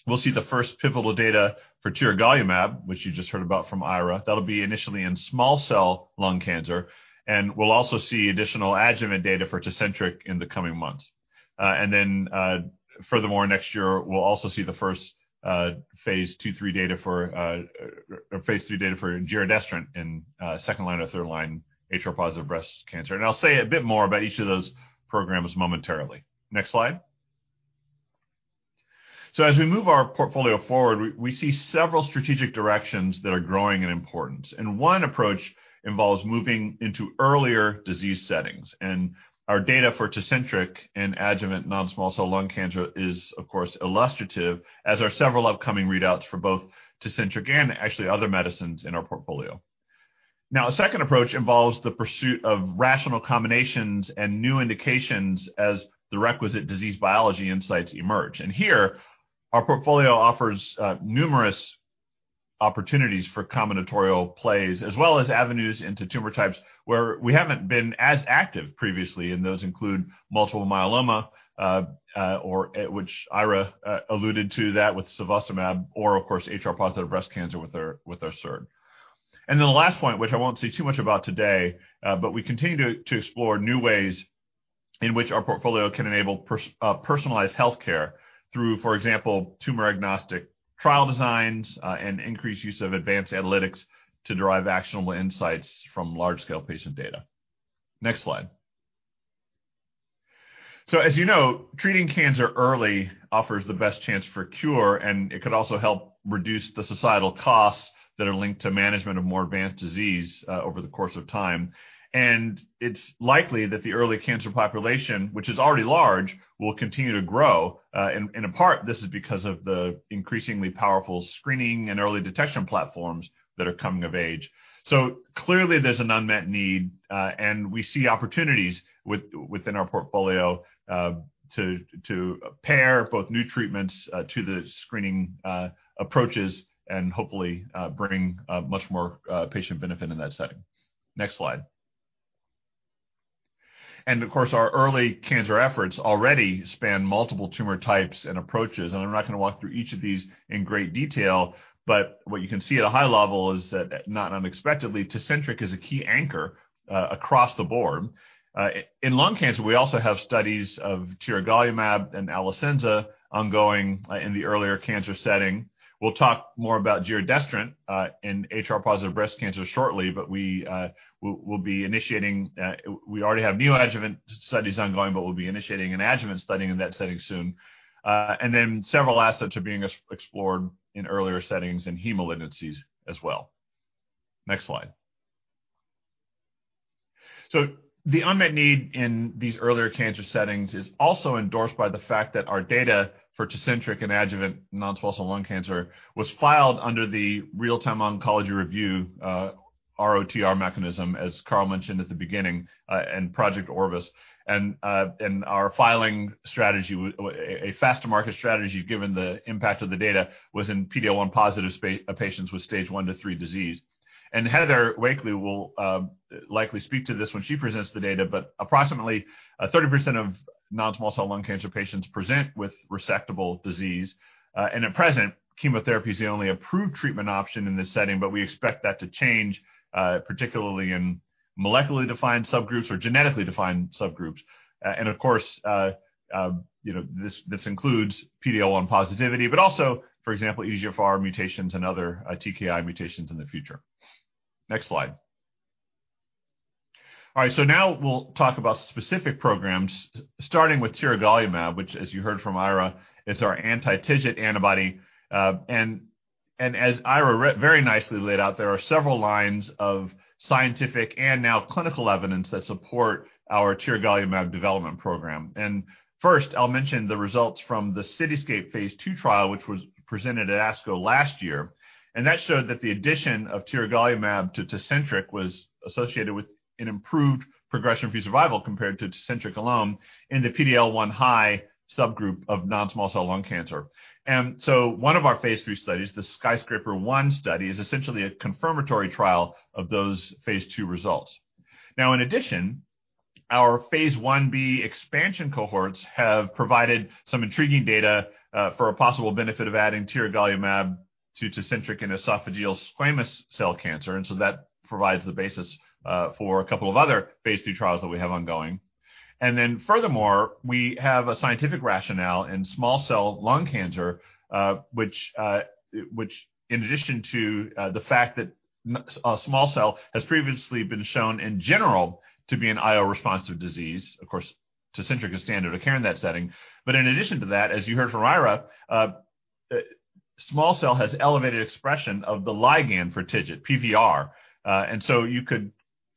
we'll see the first pivotal data for tiragolumab, which you just heard about from Ira. That'll be initially in small cell lung cancer, and we'll also see additional adjuvant data for Tecentriq in the coming months. Furthermore, next year, we'll also see the first phase II/III data for giredestrant in second-line or third-line HR-positive breast cancer. I'll say a bit more about each of those programs momentarily. Next slide. As we move our portfolio forward, we see several strategic directions that are growing in importance, and one approach involves moving into earlier disease settings. Our data for Tecentriq in adjuvant non-small cell lung cancer is, of course, illustrative, as are several upcoming readouts for both Tecentriq and actually other medicines in our portfolio. A second approach involves the pursuit of rational combinations and new indications as the requisite disease biology insights emerge. Here, our portfolio offers numerous opportunities for combinatorial plays as well as avenues into tumor types where we haven't been as active previously, and those include multiple myeloma, which Ira alluded to that with cevostamab, or, of course, HR-positive breast cancer with our SERD. The last point, which I won't say too much about today, but we continue to explore new ways in which our portfolio can enable personalized healthcare through, for example, tumor-agnostic trial designs and increased use of advanced analytics to derive actionable insights from large-scale patient data. Next slide. As you know, treating cancer early offers the best chance for a cure, and it could also help reduce the societal costs that are linked to management of more advanced disease over the course of time. It's likely that the early cancer population, which is already large, will continue to grow. In part, this is because of the increasingly powerful screening and early detection platforms that are coming of age. Clearly, there's an unmet need, and we see opportunities within our portfolio to pair both new treatments to the screening approaches and hopefully bring much more patient benefit in that setting. Next slide. Of course, our early cancer efforts already span multiple tumor types and approaches, and I'm not going to walk through each of these in great detail, but what you can see at a high level is that, not unexpectedly, Tecentriq is a key anchor across the board. In lung cancer, we also have studies of tiragolumab and Alecensa ongoing in the earlier cancer setting. We'll talk more about giredestrant in HR-positive breast cancer shortly, but we already have neoadjuvant studies ongoing, but we'll be initiating an adjuvant study in that setting soon. Several assets are being explored in earlier settings in heme malignancies as well. Next slide. The unmet need in these earlier cancer settings is also endorsed by the fact that our data for Tecentriq in adjuvant non-small cell lung cancer was filed under the Real-Time Oncology Review, RTOR mechanism, as Karl mentioned at the beginning, and Project Orbis. Our filing strategy, a faster-market strategy, given the impact of the data, was in PD-L1-positive patients with stage 1 to 3 disease. Heather Wakelee will likely speak to this when she presents the data, but approximately 30% of non-small cell lung cancer patients present with resectable disease. At present, chemotherapy is the only approved treatment option in this setting, but we expect that to change, particularly in molecularly defined subgroups or genetically defined subgroups. Of course, this includes PD-L1 positivity, but also, for example, EGFR mutations and other TKI mutations in the future. Next slide. All right. Now we'll talk about specific programs, starting with tiragolumab, which, as you heard from Ira, is our anti-TIGIT antibody. As Ira very nicely laid out, there are several lines of scientific and now clinical evidence that support our tiragolumab development program. First, I'll mention the results from the CITYSCAPE phase II trial, which was presented at ASCO last year. That showed that the addition of tiragolumab to Tecentriq was associated with an improved progression-free survival compared to Tecentriq alone in the PD-L1 high subgroup of non-small cell lung cancer. One of our phase II studies, the SKYSCRAPER-01 study, is essentially a confirmatory trial of those phase II results. In addition, our phase Ib expansion cohorts have provided some intriguing data for a possible benefit of adding tiragolumab to Tecentriq in esophageal squamous cell cancer, that provides the basis for a couple of other phase II trials that we have ongoing. Furthermore, we have a scientific rationale in small cell lung cancer, which in addition to the fact that small cell has previously been shown in general to be an IO-responsive disease, of course, Tecentriq is standard of care in that setting. In addition to that, as you heard from Ira, small cell has elevated expression of the ligand for TIGIT, PVR.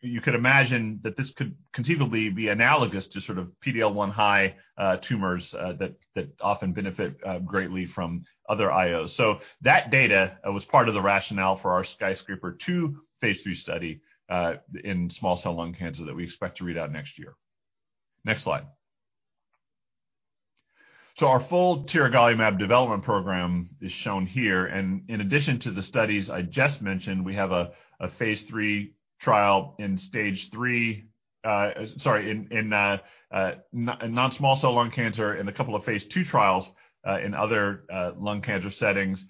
You could imagine that this could conceivably be analogous to sort of PD-L1 high tumors that often benefit greatly from other IOs. That data was part of the rationale for our SKYSCRAPER-02 phase II study in small cell lung cancer that we expect to read out next year. Next slide. Our full tiragolumab development program is shown here. In addition to the studies I just mentioned, we have a phase III trial in non-small cell lung cancer and a couple of phase II trials in other lung cancer settings.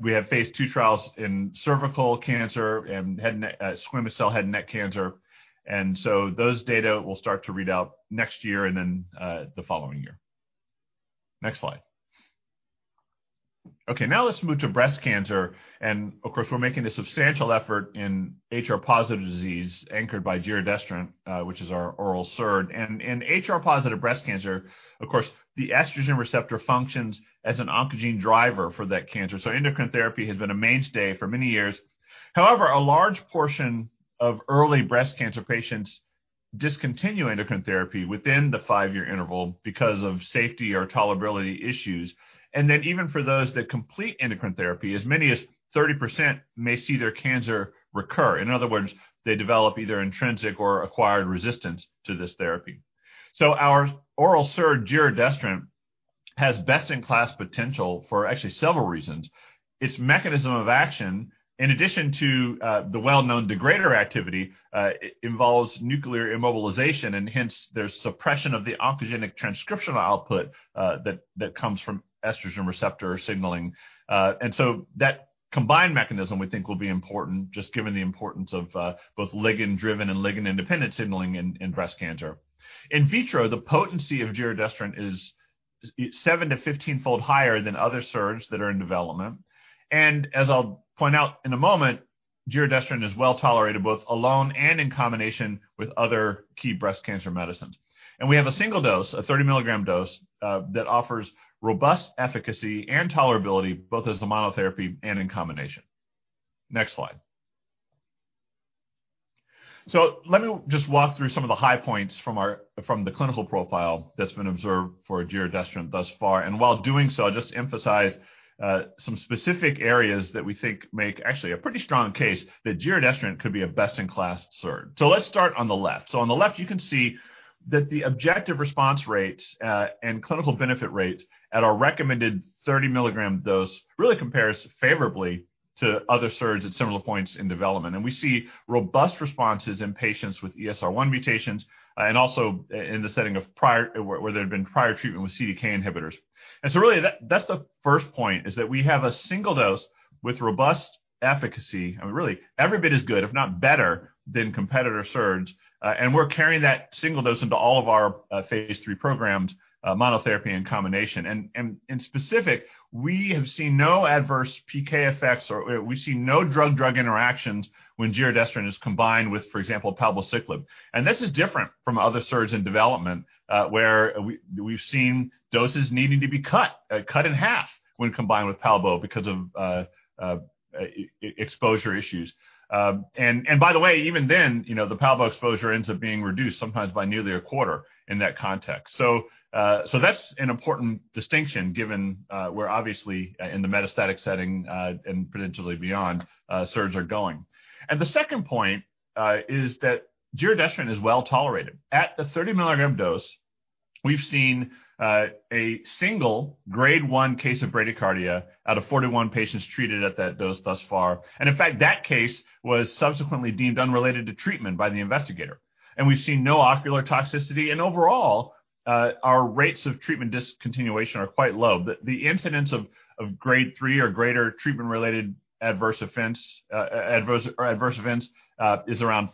We have phase II trials in cervical cancer and squamous cell head and neck cancer. Those data will start to read out next year and then the following year. Next slide. Now let's move to breast cancer. Of course, we're making a substantial effort in HR-positive disease anchored by giredestrant, which is our oral SERD. In HR-positive breast cancer, of course, the estrogen receptor functions as an oncogene driver for that cancer. Endocrine therapy has been a mainstay for many years. However, a large portion of early breast cancer patients discontinue endocrine therapy within the 5-year interval because of safety or tolerability issues. Even for those that complete endocrine therapy, as many as 30% may see their cancer recur. In other words, they develop either intrinsic or acquired resistance to this therapy. Our oral SERD, giredestrant, has best-in-class potential for actually several reasons. Its mechanism of action, in addition to the well-known degrader activity, involves nuclear immobilization, and hence there's suppression of the oncogenic transcriptional output that comes from estrogen receptor signaling. That combined mechanism we think will be important, just given the importance of both ligand-driven and ligand-independent signaling in breast cancer. In vitro, the potency of giredestrant is 7-15-fold higher than other SERDs that are in development. As I'll point out in a moment, giredestrant is well-tolerated, both alone and in combination with other key breast cancer medicines. We have a single dose, a 30 mg dose, that offers robust efficacy and tolerability, both as the monotherapy and in combination. Next slide. Let me just walk through some of the high points from the clinical profile that's been observed for giredestrant thus far. While doing so, I'll just emphasize some specific areas that we think make actually a pretty strong case that giredestrant could be a best-in-class SERD. Let's start on the left. On the left, you can see that the objective response rates and clinical benefit rates at our recommended 30 mg dose really compares favorably to other SERDs at similar points in development. We see robust responses in patients with ESR1 mutations and also in the setting where there had been prior treatment with CDK inhibitors. Really that's the first point is that we have a single dose with robust efficacy and really every bit as good, if not better, than competitor SERDs, and we're carrying that single dose into all of our phase III programs, monotherapy and combination. In specific, we have seen no adverse PK effects or we see no drug-drug interactions when giredestrant is combined with, for example, palbociclib. This is different from other SERDs in development, where we've seen doses needing to be cut in half when combined with palbo because of exposure issues. By the way, even then, the palbo exposure ends up being reduced sometimes by nearly a quarter in that context. That's an important distinction given where obviously in the metastatic setting, and potentially beyond, SERDs are going. The second point is that giredestrant is well-tolerated. At the 30 mg dose, we've seen a single grade 1 case of bradycardia out of 41 patients treated at that dose thus far. In fact, that case was subsequently deemed unrelated to treatment by the investigator. We've seen no ocular toxicity and overall, our rates of treatment discontinuation are quite low. The incidence of grade 3 or greater treatment-related adverse events is around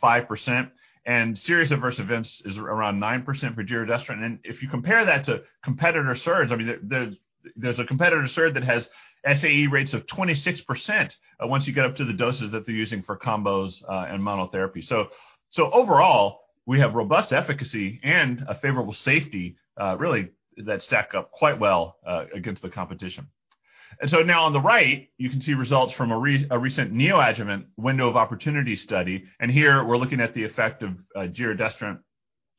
5%, and serious adverse events is around 9% for giredestrant. If you compare that to competitor SERDs, there's a competitor SERD that has SAE rates of 26% once you get up to the doses that they're using for combos and monotherapy. Overall, we have robust efficacy and a favorable safety really that stack up quite well against the competition. Now on the right, you can see results from a recent neoadjuvant window of opportunity study. Here we're looking at the effect of giredestrant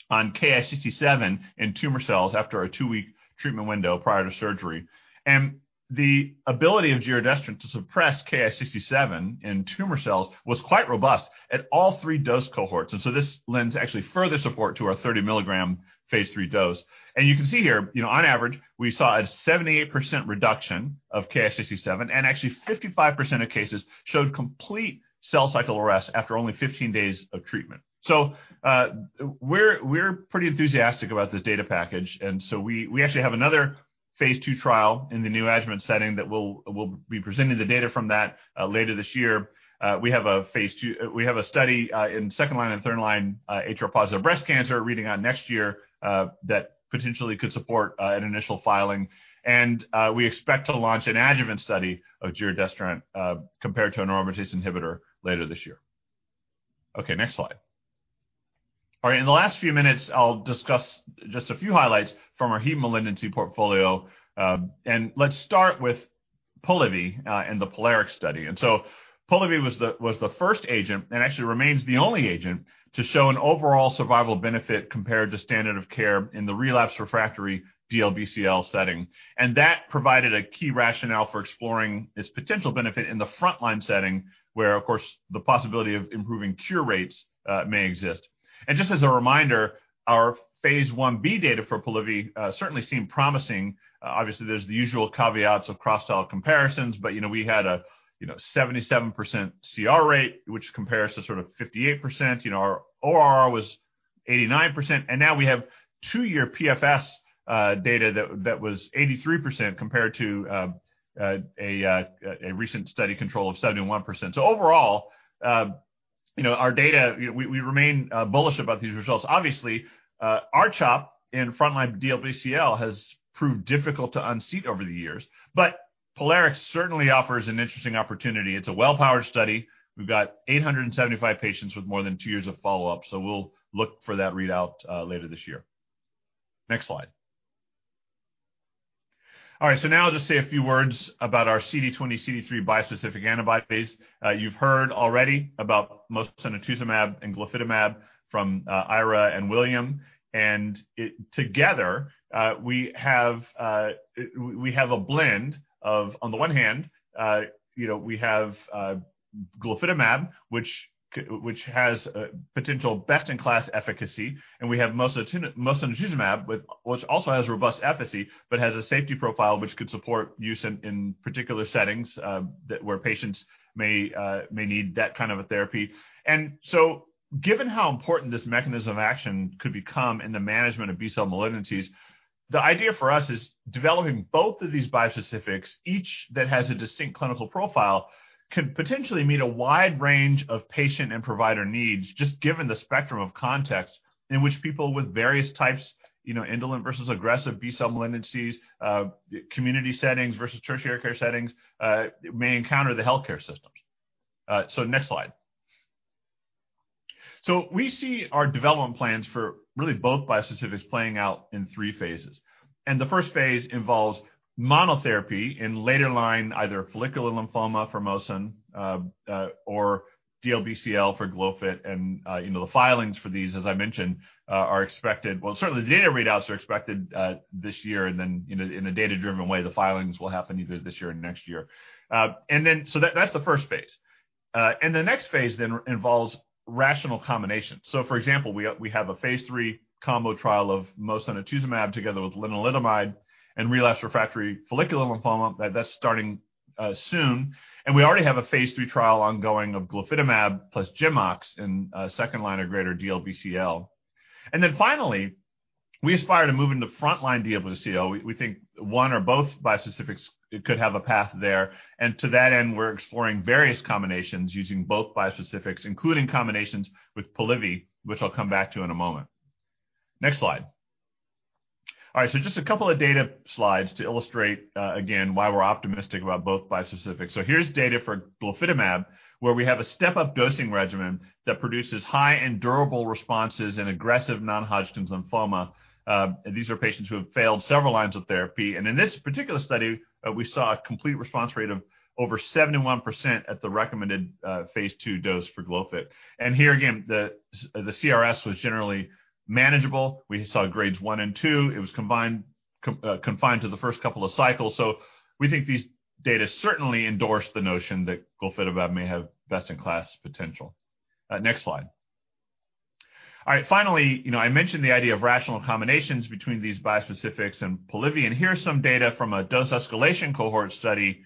on Ki-67 in tumor cells after our two-week treatment window prior to surgery. The ability of giredestrant to suppress Ki-67 in tumor cells was quite robust at all three dose cohorts. This lends actually further support to our 30 mg phase III dose. You can see here, on average, we saw a 78% reduction of Ki-67, and actually 55% of cases showed complete cell cycle arrest after only 15 days of treatment. We're pretty enthusiastic about this data package, we actually have another phase II trial in the neoadjuvant setting that we'll be presenting the data from that later this year. We have a study in second-line and third-line HR+ breast cancer reading out next year that potentially could support an initial filing, and we expect to launch an adjuvant study of giredestrant compared to an aromatase inhibitor later this year. Okay, next slide. All right, in the last few minutes, I'll discuss just a few highlights from our heme malignancy portfolio, and let's start with Polivy and the POLARIX study. Polivy was the first agent, and actually remains the only agent, to show an overall survival benefit compared to standard of care in the relapse/refractory DLBCL setting. That provided a key rationale for exploring this potential benefit in the frontline setting where, of course, the possibility of improving cure rates may exist. Just as a reminder, our phase Ib data for Polivy certainly seem promising. There's the usual caveats of cross-trial comparisons, but we had a 77% CR rate, which compares to sort of 58%. Our ORR was 89%. Now we have two-year PFS data that was 83% compared to a recent study control of 71%. Overall, our data, we remain bullish about these results. R-CHOP in frontline DLBCL has proved difficult to unseat over the years. POLARIX certainly offers an interesting opportunity. It's a well-powered study. We've got 875 patients with more than two years of follow-up. We'll look for that readout later this year. All right, now I'll just say a few words about our CD20 x CD3 bispecific antibodies. You've heard already about mosunetuzumab and glofitamab from Ira and William. Together we have a blend of, on the one hand, we have glofitamab, which has potential best-in-class efficacy, and we have mosunetuzumab, which also has robust efficacy but has a safety profile which could support use in particular settings where patients may need that kind of a therapy. Given how important this mechanism action could become in the management of B-cell malignancies, the idea for us is developing both of these bispecifics, each that has a distinct clinical profile, could potentially meet a wide range of patient and provider needs just given the spectrum of contexts in which people with various types, indolent versus aggressive B-cell malignancies, community settings versus tertiary care settings, may encounter the healthcare systems. Next slide. We see our development plans for really both bispecifics playing out in three phases. The first phase involves monotherapy in later line, either follicular lymphoma for mosunetuzumab or DLBCL for glofitamab, and the filings for these, as I mentioned, Well, certainly data readouts are expected this year and then in a data-driven way, the filings will happen either this year or next year. That is the first phase. The next phase involves rational combinations. For example, we have a phase III combo trial of mosunetuzumab together with lenalidomide in relapsed/refractory follicular lymphoma that's starting soon. We already have a phase III trial ongoing of glofitamab plus GemOx in second-line or greater DLBCL. Finally, we aspire to move into frontline DLBCL. We think one or both bispecifics could have a path there. To that end, we're exploring various combinations using both bispecifics, including combinations with Polivy, which I'll come back to in a moment. Next slide. All right. Just a couple of data slides to illustrate again why we're optimistic about both bispecifics. Here's data for glofitamab where we have a step-up dosing regimen that produces high-end durable responses in aggressive non-Hodgkin's lymphoma. These are patients who have failed several lines of therapy. In this particular study, we saw a complete response rate of over 71% at the recommended phase II dose for glofit. Here again, the CRS was generally manageable. We saw grades 1 and 2. It was confined to the first couple of cycles. We think these data certainly endorse the notion that glofitamab may have best-in-class potential. Next slide. All right. Finally, I mentioned the idea of rational combinations between these bispecifics and Polivy. Here's some data from a dose escalation cohort study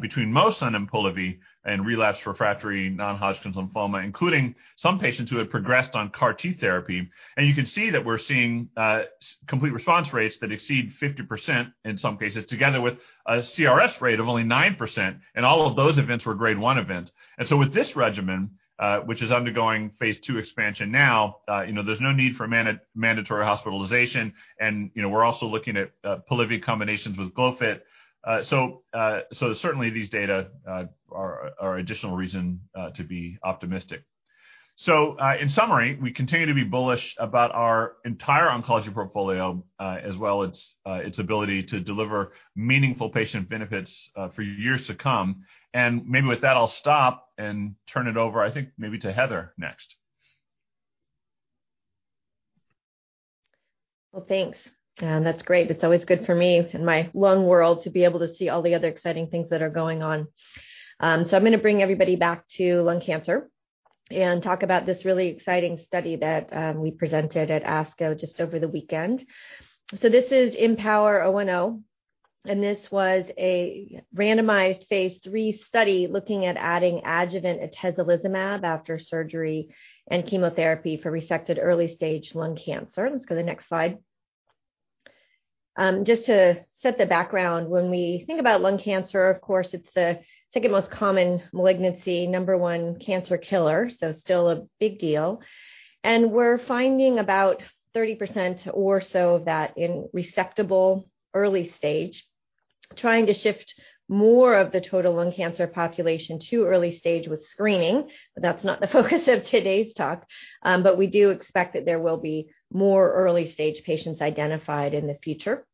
between mosunetuzumab and Polivy in relapsed/refractory non-Hodgkin's lymphoma, including some patients who had progressed on CAR T therapy. You can see that we're seeing complete response rates that exceed 50% in some cases, together with a CRS rate of only 9%. All of those events were grade 1 events. With this regimen, which is undergoing phase II expansion now, there's no need for mandatory hospitalization, and we're also looking at Polivy combinations with glofitamab. Certainly, these data are additional reason to be optimistic. In summary, we continue to be bullish about our entire oncology portfolio, as well as its ability to deliver meaningful patient benefits for years to come. Maybe with that, I'll stop and turn it over, I think, maybe to Heather next. Well, thanks. That's great. It's always good for me in my lung world to be able to see all the other exciting things that are going on. I'm going to bring everybody back to lung cancer and talk about this really exciting study that we presented at ASCO just over the weekend. This is IMpower010, and this was a randomized phase III study looking at adding adjuvant atezolizumab after surgery and chemotherapy for resected early-stage lung cancer. The next slide. Just to set the background, when we think about lung cancer, of course, it's the second most common malignancy, number one cancer killer. Still a big deal. We're finding about 30% or so of that in resectable early stage, trying to shift more of the total lung cancer population to early stage with screening. That's not the focus of today's talk, but we do expect that there will be more early-stage patients identified in the future.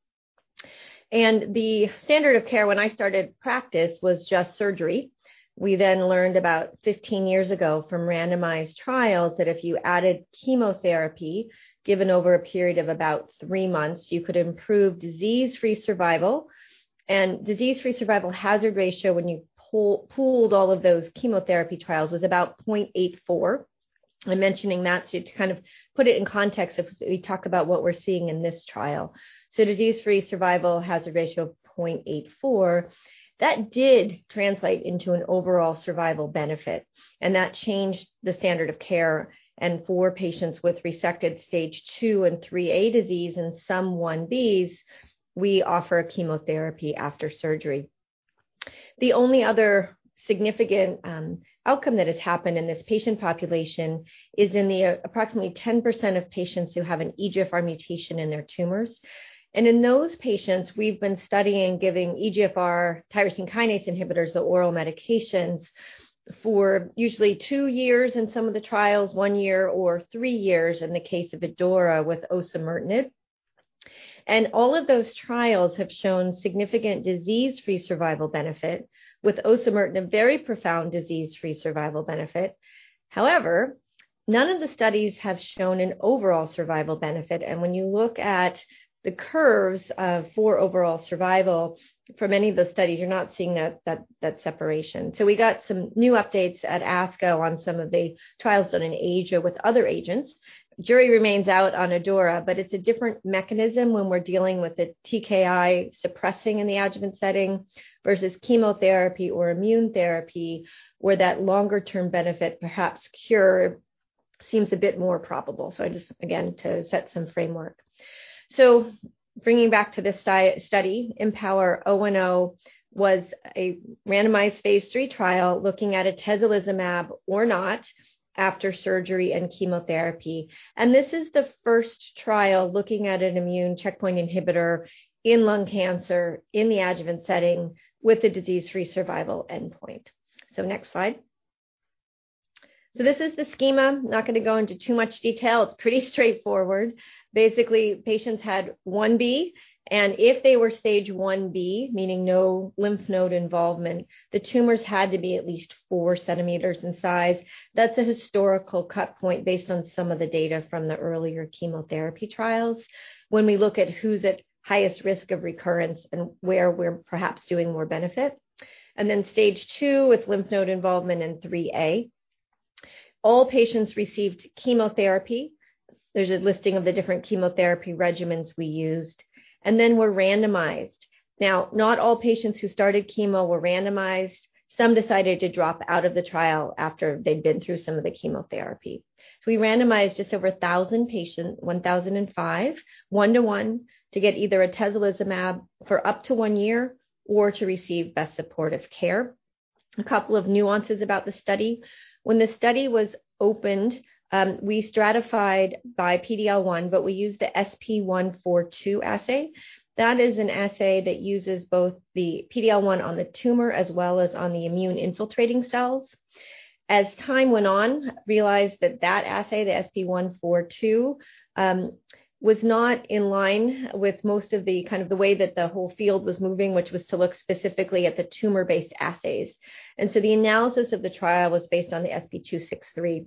The standard of care when I started practice was just surgery. We then learned about 15 years ago from randomized trials that if you added chemotherapy given over a period of about three months, you could improve disease-free survival. Disease-free survival hazard ratio when you pooled all of those chemotherapy trials was about 0.84. I'm mentioning that to kind of put it in context as we talk about what we're seeing in this trial. Disease-free survival hazard ratio of 0.84, that did translate into an overall survival benefit, and that changed the standard of care. For patients with resected stage 2 and 3A disease and some 1Bs, we offer chemotherapy after surgery. The only other significant outcome that has happened in this patient population is in the approximately 10% of patients who have an EGFR mutation in their tumors. In those patients, we've been studying giving EGFR tyrosine kinase inhibitors, the oral medications, for usually two years in some of the trials, one year or three years in the case of ADAURA with osimertinib. All of those trials have shown significant disease-free survival benefit with osimertinib, very profound disease-free survival benefit. However, none of the studies have shown an overall survival benefit. When you look at the curves for overall survival for many of the studies, you're not seeing that separation. We got some new updates at ASCO on some of the trials done in Asia with other agents. Jury remains out on ADAURA, but it's a different mechanism when we're dealing with a TKI suppressing in the adjuvant setting versus chemotherapy or immune therapy where that longer-term benefit perhaps cure seems a bit more probable. Just again, to set some framework. Bringing it back to the study, IMpower010 was a randomized phase III trial looking at atezolizumab or not after surgery and chemotherapy. This is the first trial looking at an immune checkpoint inhibitor in lung cancer in the adjuvant setting with a disease-free survival endpoint. Next slide. This is the schema. Not going to go into too much detail. It's pretty straightforward. Basically, patients had 1B, and if they were stage 1B, meaning no lymph node involvement, the tumors had to be at least four centimeters in size. That's a historical cut point based on some of the data from the earlier chemotherapy trials when we look at who's at highest risk of recurrence and where we're perhaps doing more benefit. Stage 2 with lymph node involvement in 3A. All patients received chemotherapy. There's a listing of the different chemotherapy regimens we used, were randomized. Not all patients who started chemo were randomized. Some decided to drop out of the trial after they'd been through some of the chemotherapy. We randomized just over 1,000 patients, 1,005, 1:1 to get either atezolizumab for up to one year or to receive best supportive care. A couple of nuances about the study. When the study was opened, we stratified by PD-L1, but we used the SP142 assay. That is an assay that uses both the PD-L1 on the tumor as well as on the immune-infiltrating cells. Time went on, realized that that assay, the SP142, was not in line with most of the way that the whole field was moving, which was to look specifically at the tumor-based assays. The analysis of the trial was based on the SP263,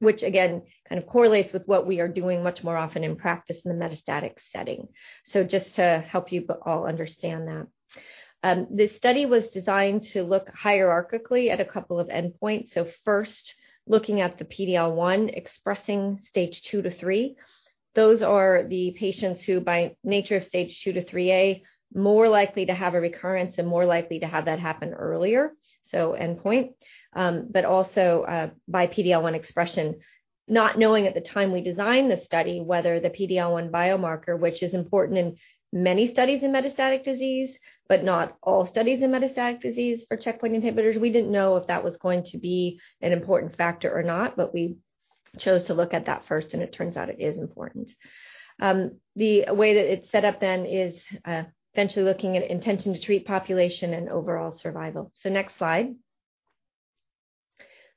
which again, correlates with what we are doing much more often in practice in the metastatic setting. Just to help you all understand that. The study was designed to look hierarchically at a couple of endpoints. First, looking at the PD-L1 expressing stage 2 to 3. Those are the patients who, by nature of stage 2 to 3A, more likely to have a recurrence and more likely to have that happen earlier, but also by PD-L1 expression. Not knowing at the time we designed the study whether the PD-L1 biomarker, which is important in many studies in metastatic disease, but not all studies in metastatic disease for checkpoint inhibitors, we didn't know if that was going to be an important factor or not, but we chose to look at that first, and it turns out it is important. The way that it's set up then is eventually looking at intention-to-treat population and overall survival. Next slide.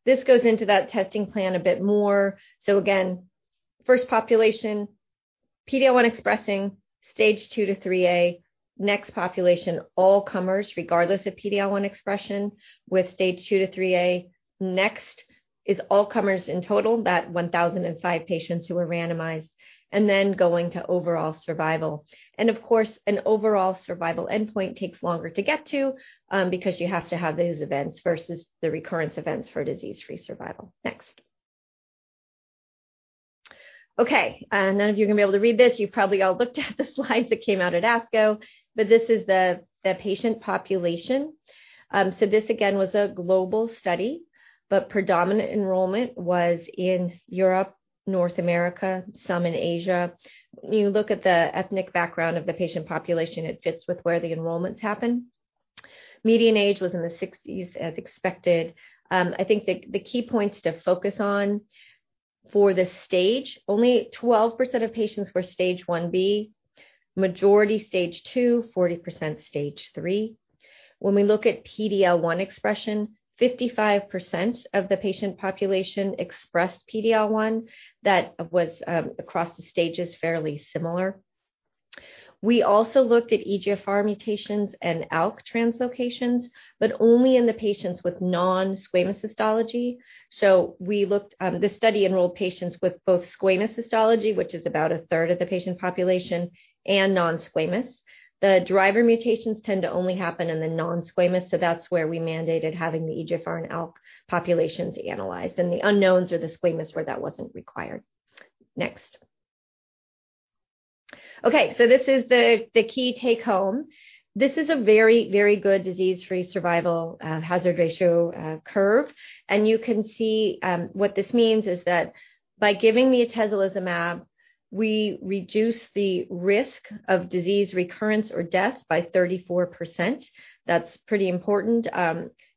This goes into that testing plan a bit more. Again, first population, PD-L1 expressing stage 2 to 3A. Next population, all comers, regardless of PD-L1 expression with stage 2 to 3A. Next is all comers in total, that 1,005 patients who were randomized. Then going to overall survival. Of course, an overall survival endpoint takes longer to get to because you have to have those events versus the recurrence events for disease-free survival. Next. Okay, none of you are going to be able to read this. You've probably all looked at the slides that came out at ASCO, this is the patient population. This, again, was a global study, predominant enrollment was in Europe, North America, some in Asia. When you look at the ethnic background of the patient population, it fits with where the enrollments happen. Median age was in the 60s as expected. I think the key points to focus on for the stage, only 12% of patients were stage 1B, majority stage 2, 40% stage 3. When we look at PD-L1 expression, 55% of the patient population expressed PD-L1. That was across the stages, fairly similar. We also looked at EGFR mutations and ALK translocations, but only in the patients with non-squamous histology. The study enrolled patients with both squamous histology, which is about a third of the patient population, and non-squamous. The driver mutations tend to only happen in the non-squamous, so that's where we mandated having the EGFR and ALK populations analyzed, and the unknowns are the squamous where that wasn't required. Next. Okay, this is the key take-home. This is a very good disease-free survival hazard ratio curve. You can see what this means is that by giving the atezolizumab, we reduce the risk of disease recurrence or death by 34%. That's pretty important.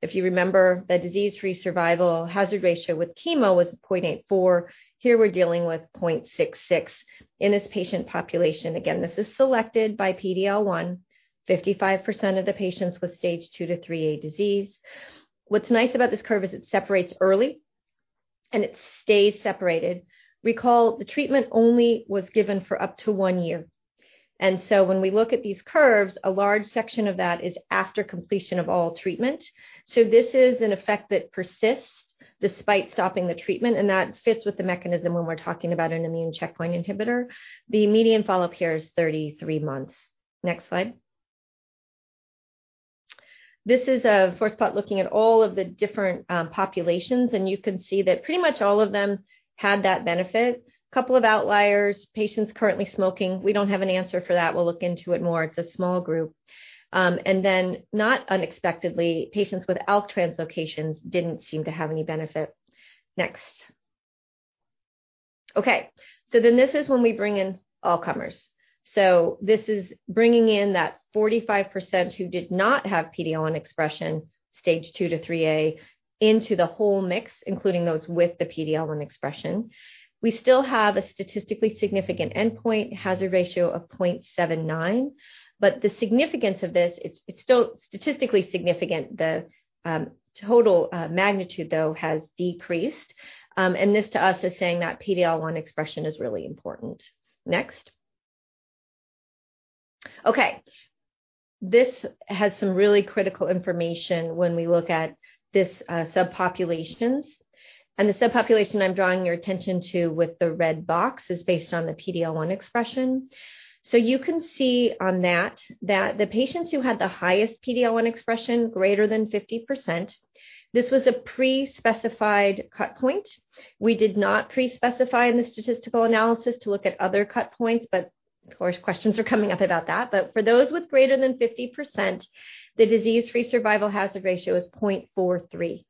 If you remember, the disease-free survival hazard ratio with chemo was 0.84. Here we're dealing with 0.66 in this patient population. Again, this is selected by PD-L1, 55% of the patients with stage 2 to 3A disease. What's nice about this curve is it separates early and it stays separated. Recall, the treatment only was given for up to one year. When we look at these curves, a large section of that is after completion of all treatment. This is an effect that persists despite stopping the treatment, and that fits with the mechanism when we're talking about an immune checkpoint inhibitor. The median follow-up here is 33 months. Next slide. This is a force plot looking at all of the different populations, and you can see that pretty much all of them had that benefit. Couple of outliers, patients currently smoking. We don't have an answer for that. We'll look into it more. It's a small group. Not unexpectedly, patients with ALK translocations didn't seem to have any benefit. Next. Okay. This is when we bring in all comers. This is bringing in that 45% who did not have PD-L1 expression, stage 2 to 3A, into the whole mix, including those with the PD-L1 expression. We still have a statistically significant endpoint, hazard ratio of 0.79, but the significance of this, it's still statistically significant. The total magnitude, though, has decreased. This to us is saying that PD-L1 expression is really important. Next. Okay. This has some really critical information when we look at this subpopulation. The subpopulation I'm drawing your attention to with the red box is based on the PD-L1 expression. You can see on that the patients who had the highest PD-L1 expression greater than 50%, this was a pre-specified cut point. We did not pre-specify in the statistical analysis to look at other cut points, but of course, questions are coming up about that. For those with greater than 50%, the disease-free survival hazard ratio is 0.43.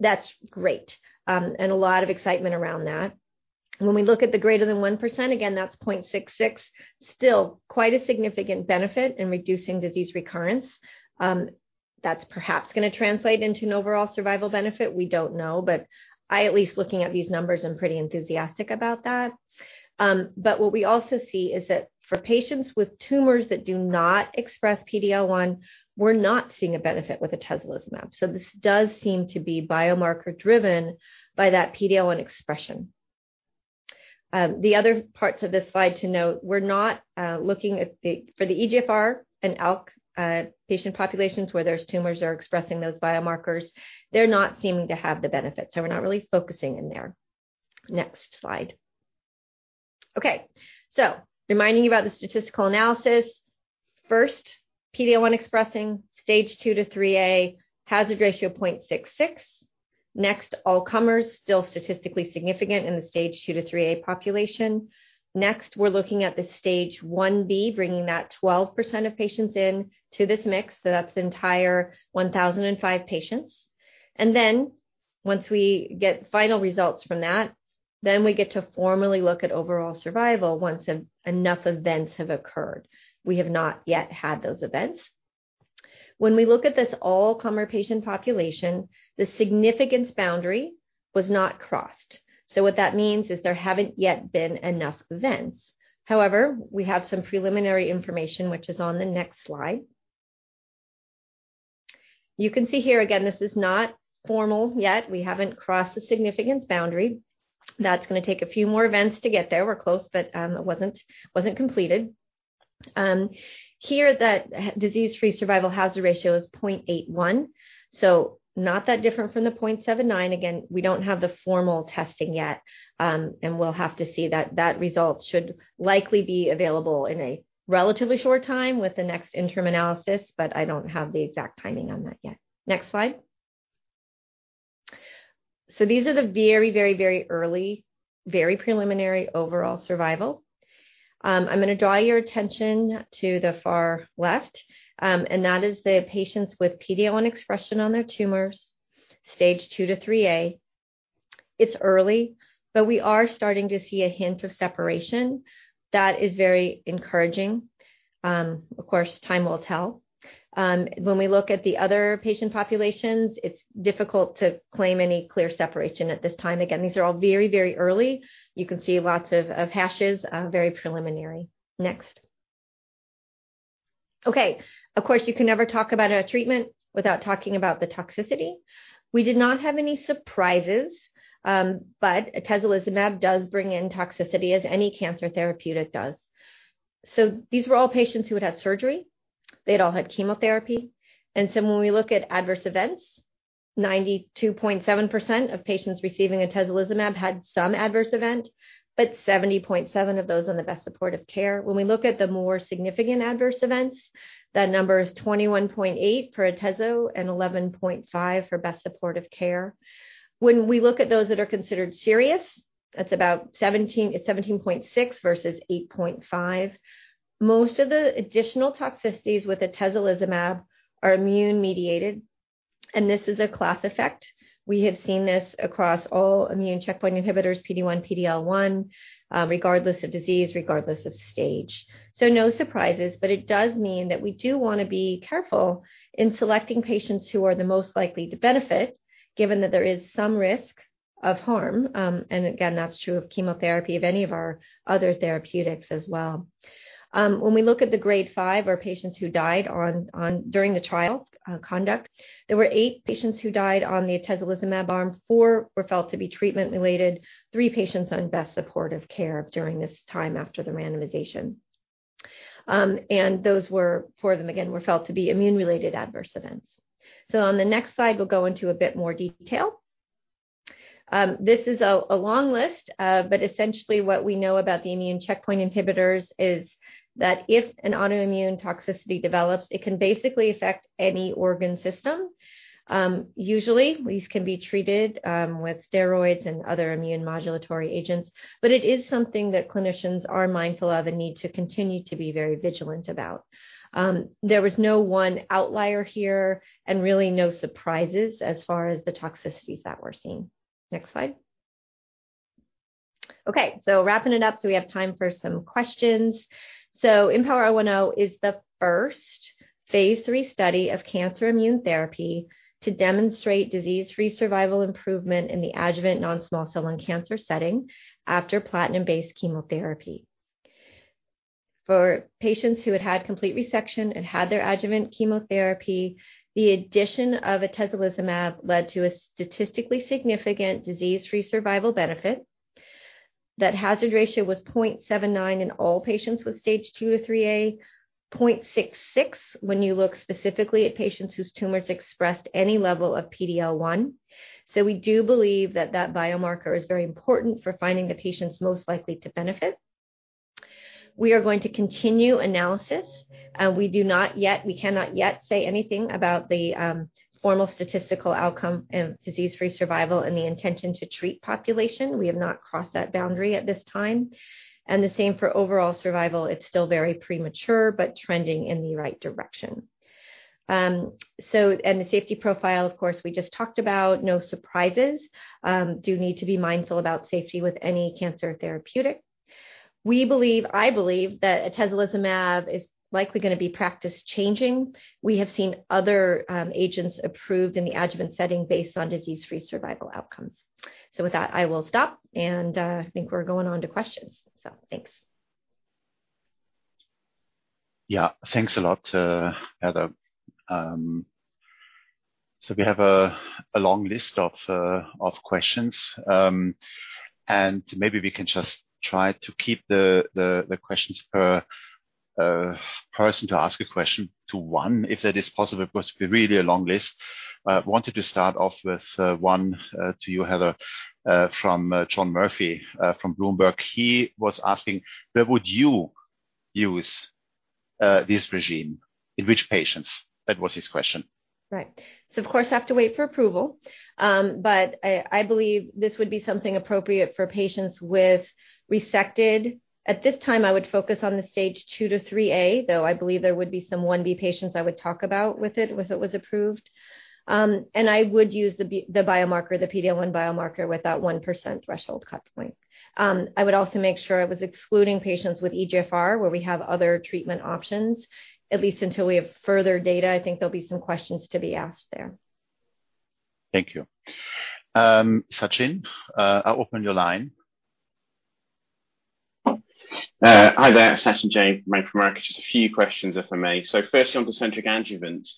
That's great and a lot of excitement around that. When we look at the greater than 1%, again, that's 0.66, still quite a significant benefit in reducing disease recurrence. That's perhaps going to translate into an overall survival benefit. We don't know. I, at least looking at these numbers, I'm pretty enthusiastic about that. What we also see is that for patients with tumors that do not express PD-L1, we're not seeing a benefit with atezolizumab. This does seem to be biomarker-driven by that PD-L1 expression. The other parts of this slide to note, we're not looking at. For the EGFR and ALK patient populations where those tumors are expressing those biomarkers, they're not seeming to have the benefit. We're not really focusing in there. Next slide. Okay. Reminding you about the statistical analysis. First, PD-L1 expressing stage 2 to 3A, hazard ratio 0.66. Next, all comers still statistically significant in the stage 2 to 3A population. Next, we're looking at the stage 1B, bringing that 12% of patients in to this mix. That's the entire 1,005 patients. Once we get final results from that, then we get to formally look at overall survival once enough events have occurred. We have not yet had those events. When we look at this all comer patient population, the significance boundary was not crossed. What that means is there haven't yet been enough events. However, we have some preliminary information, which is on the next slide. You can see here, again, this is not formal yet. We haven't crossed the significance boundary. That's going to take a few more events to get there. We're close, but it wasn't completed. Here that disease-free survival hazard ratio is 0.81, so not that different from the 0.79. We don't have the formal testing yet. We'll have to see that result should likely be available in a relatively short time with the next interim analysis. I don't have the exact timing on that yet. Next slide. These are the very, very, very early, very preliminary overall survival. I'm going to draw your attention to the far left. That is the patients with PD-L1 expression on their tumors, stage 2 to 3A. It's early. We are starting to see a hint of separation that is very encouraging. Of course, time will tell. When we look at the other patient populations, it's difficult to claim any clear separation at this time. These are all very, very early. You can see lots of hashes, very preliminary. Next. Okay. You can never talk about a treatment without talking about the toxicity. We did not have any surprises. Atezolizumab does bring in toxicity as any cancer therapeutic does. These were all patients who had surgery. They had all had chemotherapy. When we look at adverse events, 92.7% of patients receiving atezolizumab had some adverse event, but 70.7% of those on the best supportive care. When we look at the more significant adverse events, that number is 21.8% for atezo and 11.5% for best supportive care. When we look at those that are considered serious, that is about 17.6% versus 8.5%. Most of the additional toxicities with atezolizumab are immune-mediated, and this is a class effect. We have seen this across all immune checkpoint inhibitors, PD-1, PD-L1, regardless of disease, regardless of stage. No surprises, but it does mean that we do want to be careful in selecting patients who are the most likely to benefit, given that there is some risk of harm. Again, that's true of chemotherapy of any of our other therapeutics as well. When we look at the grade 5, our patients who died during the trial conduct, there were eight patients who died on the atezolizumab arm. Four were felt to be treatment-related, three patients on best supportive care during this time after the randomization. Those were, four of them, again, were felt to be immune-related adverse events. On the next slide, we'll go into a bit more detail. This is a long list, but essentially what we know about the immune checkpoint inhibitors is that if an autoimmune toxicity develops, it can basically affect any organ system. Usually, these can be treated with steroids and other immune modulatory agents, but it is something that clinicians are mindful of and need to continue to be very vigilant about. There was no one outlier here and really no surprises as far as the toxicities that we're seeing. Next slide. Wrapping it up so we have time for some questions. IMpower010 is the first phase III study of cancer immune therapy to demonstrate disease-free survival improvement in the adjuvant non-small cell lung cancer setting after platinum-based chemotherapy. For patients who had had complete resection and had their adjuvant chemotherapy, the addition of atezolizumab led to a statistically significant disease-free survival benefit. That hazard ratio was 0.79 in all patients with stage 2 to 3A, 0.66 when you look specifically at patients whose tumors expressed any level of PD-L1. We do believe that that biomarker is very important for finding the patients most likely to benefit. We are going to continue analysis. We cannot yet say anything about the formal statistical outcome of disease-free survival in the intention-to-treat population. We have not crossed that boundary at this time. The same for overall survival. It's still very premature, but trending in the right direction. The safety profile, of course, we just talked about, no surprises. Do need to be mindful about safety with any cancer therapeutic. We believe, I believe, that atezolizumab is likely going to be practice-changing. We have seen other agents approved in the adjuvant setting based on disease-free survival outcomes. With that, I will stop, and I think we're going on to questions. Thanks. Yeah, thanks a lot, Heather. We have a long list of questions, and maybe we can just try to keep the questions per person to ask a question to one, if that is possible, because it'll be really a long list. Wanted to start off with one to you, Heather, from John Murphy from Bloomberg. He was asking: where would you use this regime? In which patients? That was his question. Right. Of course, have to wait for approval. I believe this would be something appropriate for patients with resected. At this time, I would focus on the stage 2 to 3A, though I believe there would be some 1B patients I would talk about with it, if it was approved. I would use the biomarker, the PD-L1 biomarker, with that 1% threshold cut point. I would also make sure I was excluding patients with EGFR, where we have other treatment options. At least until we have further data, I think there'll be some questions to be asked there. Thank you. Sachin, I'll open your line. Hi there, Sachin Jain from Bank of America. Just a few questions, if I may. Firstly, on the Tecentriq adjuvant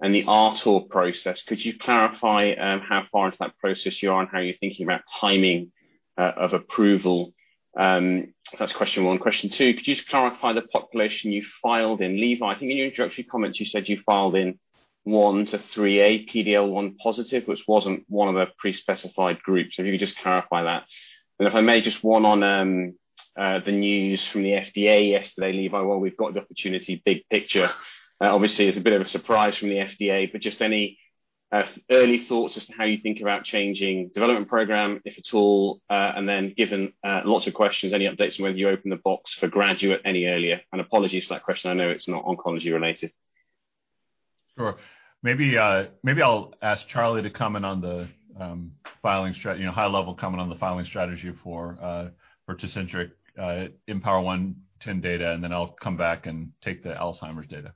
and the RTOR process, could you clarify how far into that process you are and how you're thinking about timing of approval? That's question one. Question two, could you just clarify the population you filed in, Levi? I think in your introductory comments you said you filed in 1 to 3A PD-L1 positive, which wasn't one of the pre-specified groups. If you could just clarify that. If I may, just one on the news from the FDA yesterday, Levi, while we've got the opportunity, big picture. Obviously, it's a bit of a surprise from the FDA, just any early thoughts as to how you think about changing development program, if at all, and then given lots of questions, any updates on whether you open the box for GRADUATE any earlier? Apologies for that question, I know it's not oncology related. Sure. Maybe I'll ask Charlie to high-level comment on the filing strategy for Tecentriq IMpower010 data, and then I'll come back and take the Alzheimer's data.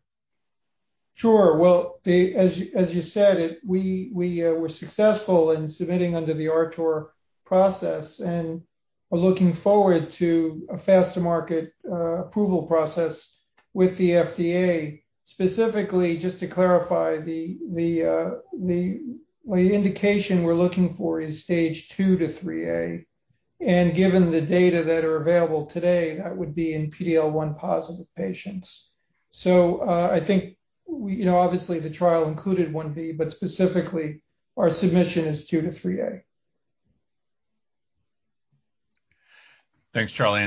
Sure. Well, as you said it, we were successful in submitting under the RTOR process and are looking forward to a faster market approval process with the FDA. Specifically, just to clarify, the indication we're looking for is stage 2 to 3A, and given the data that are available today, that would be in PD-L1 positive patients. I think, obviously, the trial included 1B, but specifically our submission is 2 to 3A. Thanks, Charlie.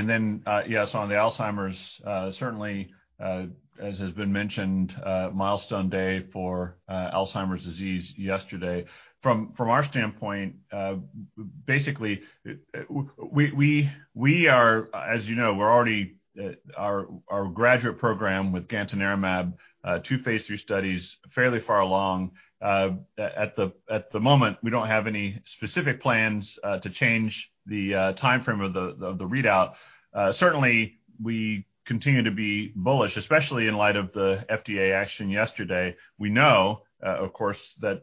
Yes, on the Alzheimer's, certainly, as has been mentioned, milestone day for Alzheimer's disease yesterday. From our standpoint, basically, as you know, our GRADUATE program with gantenerumab, two phase III studies fairly far along. At the moment, we don't have any specific plans to change the timeframe of the readout. Certainly, we continue to be bullish, especially in light of the FDA action yesterday. We know, of course, that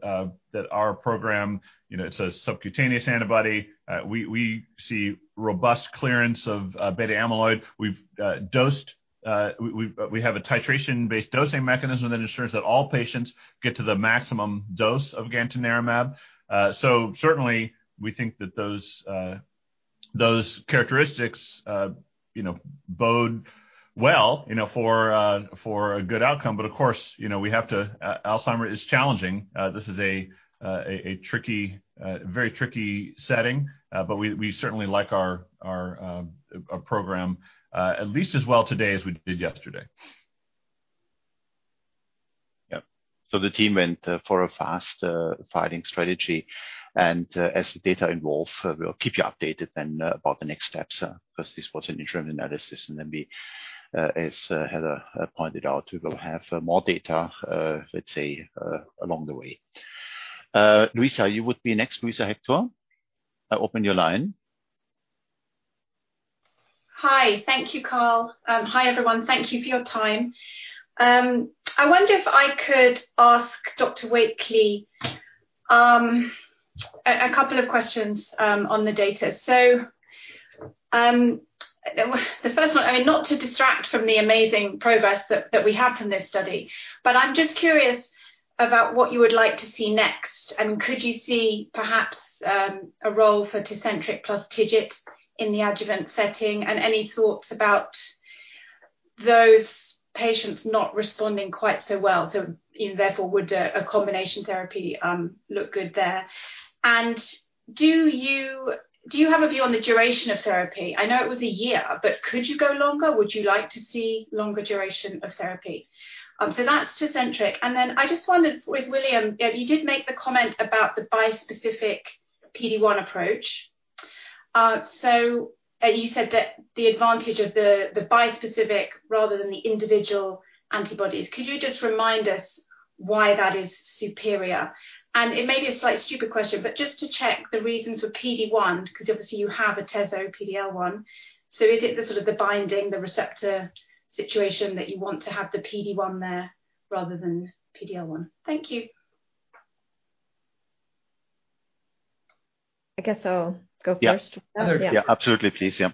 our program, it's a subcutaneous antibody. We see robust clearance of beta amyloid. We have a titration-based dosing mechanism that ensures that all patients get to the maximum dose of gantenerumab. Certainly, we think that those characteristics bode well for a good outcome. Of course, Alzheimer's is challenging. This is a very tricky setting. We certainly like our program at least as well today as we did yesterday. Yep. The team went for a fast filing strategy. As the data evolve, we'll keep you updated then about the next steps, because this was an interim analysis. We, as Heather pointed out, we will have more data, let's say, along the way. Luisa, you would be next. Luisa Hector, I open your line. Hi. Thank you, Karl. Hi, everyone. Thank you for your time. I wonder if I could ask Dr. Wakelee a couple of questions on the data. The first one, not to distract from the amazing progress that we had from this study, but I'm just curious about what you would like to see next. Could you see perhaps, a role for Tecentriq plus TIGIT in the adjuvant setting? Any thoughts about those patients not responding quite so well, so therefore would a combination therapy look good there? Do you have a view on the duration of therapy? I know it was one year, but could you go longer? Would you like to see longer duration of therapy? That's Tecentriq. I just wondered with William, you did make the comment about the bispecific PD-1 approach. You said that the advantage of the bispecific rather than the individual antibodies. Could you just remind us why that is superior? It may be a slightly stupid question, but just to check the reason for PD-1, because obviously you have a Tecentriq PD-L1, so is it the sort of the binding, the receptor situation that you want to have the PD-1 there rather than PD-L1? Thank you. I guess I'll go first. Yeah, absolutely please. Yeah.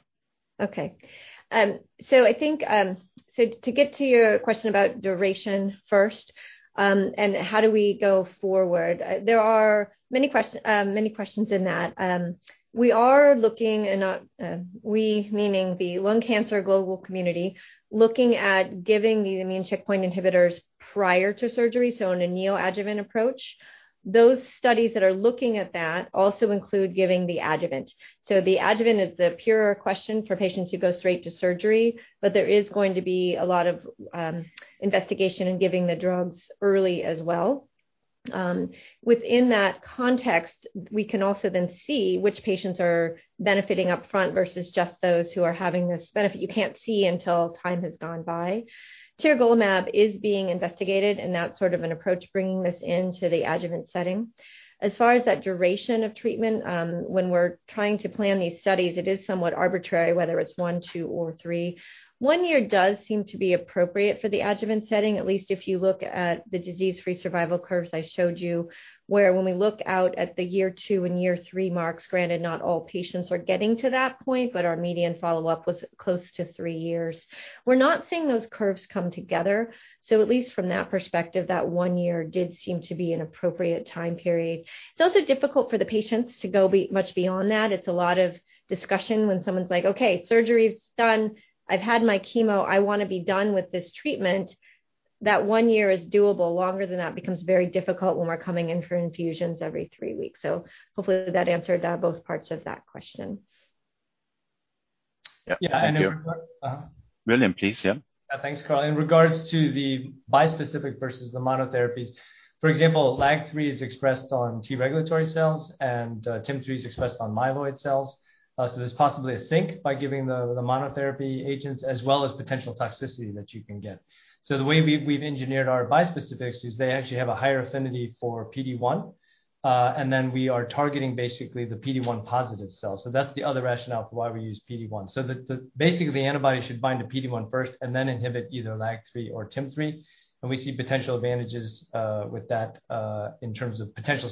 To get to your question about duration first, and how do we go forward, there are many questions in that. We are looking, and we meaning the lung cancer global community, looking at giving these immune checkpoint inhibitors prior to surgery, so in a neoadjuvant approach. Those studies that are looking at that also include giving the adjuvant. The adjuvant is the pure question for patients who go straight to surgery, there is going to be a lot of investigation in giving the drugs early as well. Within that context, we can also see which patients are benefiting upfront versus just those who are having this benefit you can't see until time has gone by. Tiragolumab is being investigated, that's sort of an approach bringing this into the adjuvant setting. As far as that duration of treatment, when we're trying to plan these studies, it is somewhat arbitrary whether it's one, two, or three. One year does seem to be appropriate for the adjuvant setting, at least if you look at the disease-free survival curves I showed you, where when we look out at the year two and year three marks, granted, not all patients are getting to that point, but our median follow-up was close to three years. We're not seeing those curves come together. At least from that perspective, that one year did seem to be an appropriate time period. It's also difficult for the patients to go much beyond that. It's a lot of discussion when someone's like, "Okay, surgery's done. I've had my chemo. I want to be done with this treatment." That one year is doable. Longer than that becomes very difficult when we're coming in for infusions every three weeks. Hopefully that answered both parts of that question. Yeah. Thank you. Yeah. William, please. Yeah. Thanks, Karl. In regards to the bispecific versus the monotherapies, for example, LAG-3 is expressed on T regulatory cells. TIM-3 is expressed on myeloid cells. There's possibly a sink by giving the monotherapy agents, as well as potential toxicity that you can get. The way we've engineered our bispecifics is they actually have a higher affinity for PD-1, and then we are targeting basically the PD-1 positive cells. That's the other rationale for why we use PD-1. Basically, the antibody should bind to PD-1 first and then inhibit either LAG-3 or TIM-3. We see potential advantages with that, in terms of potential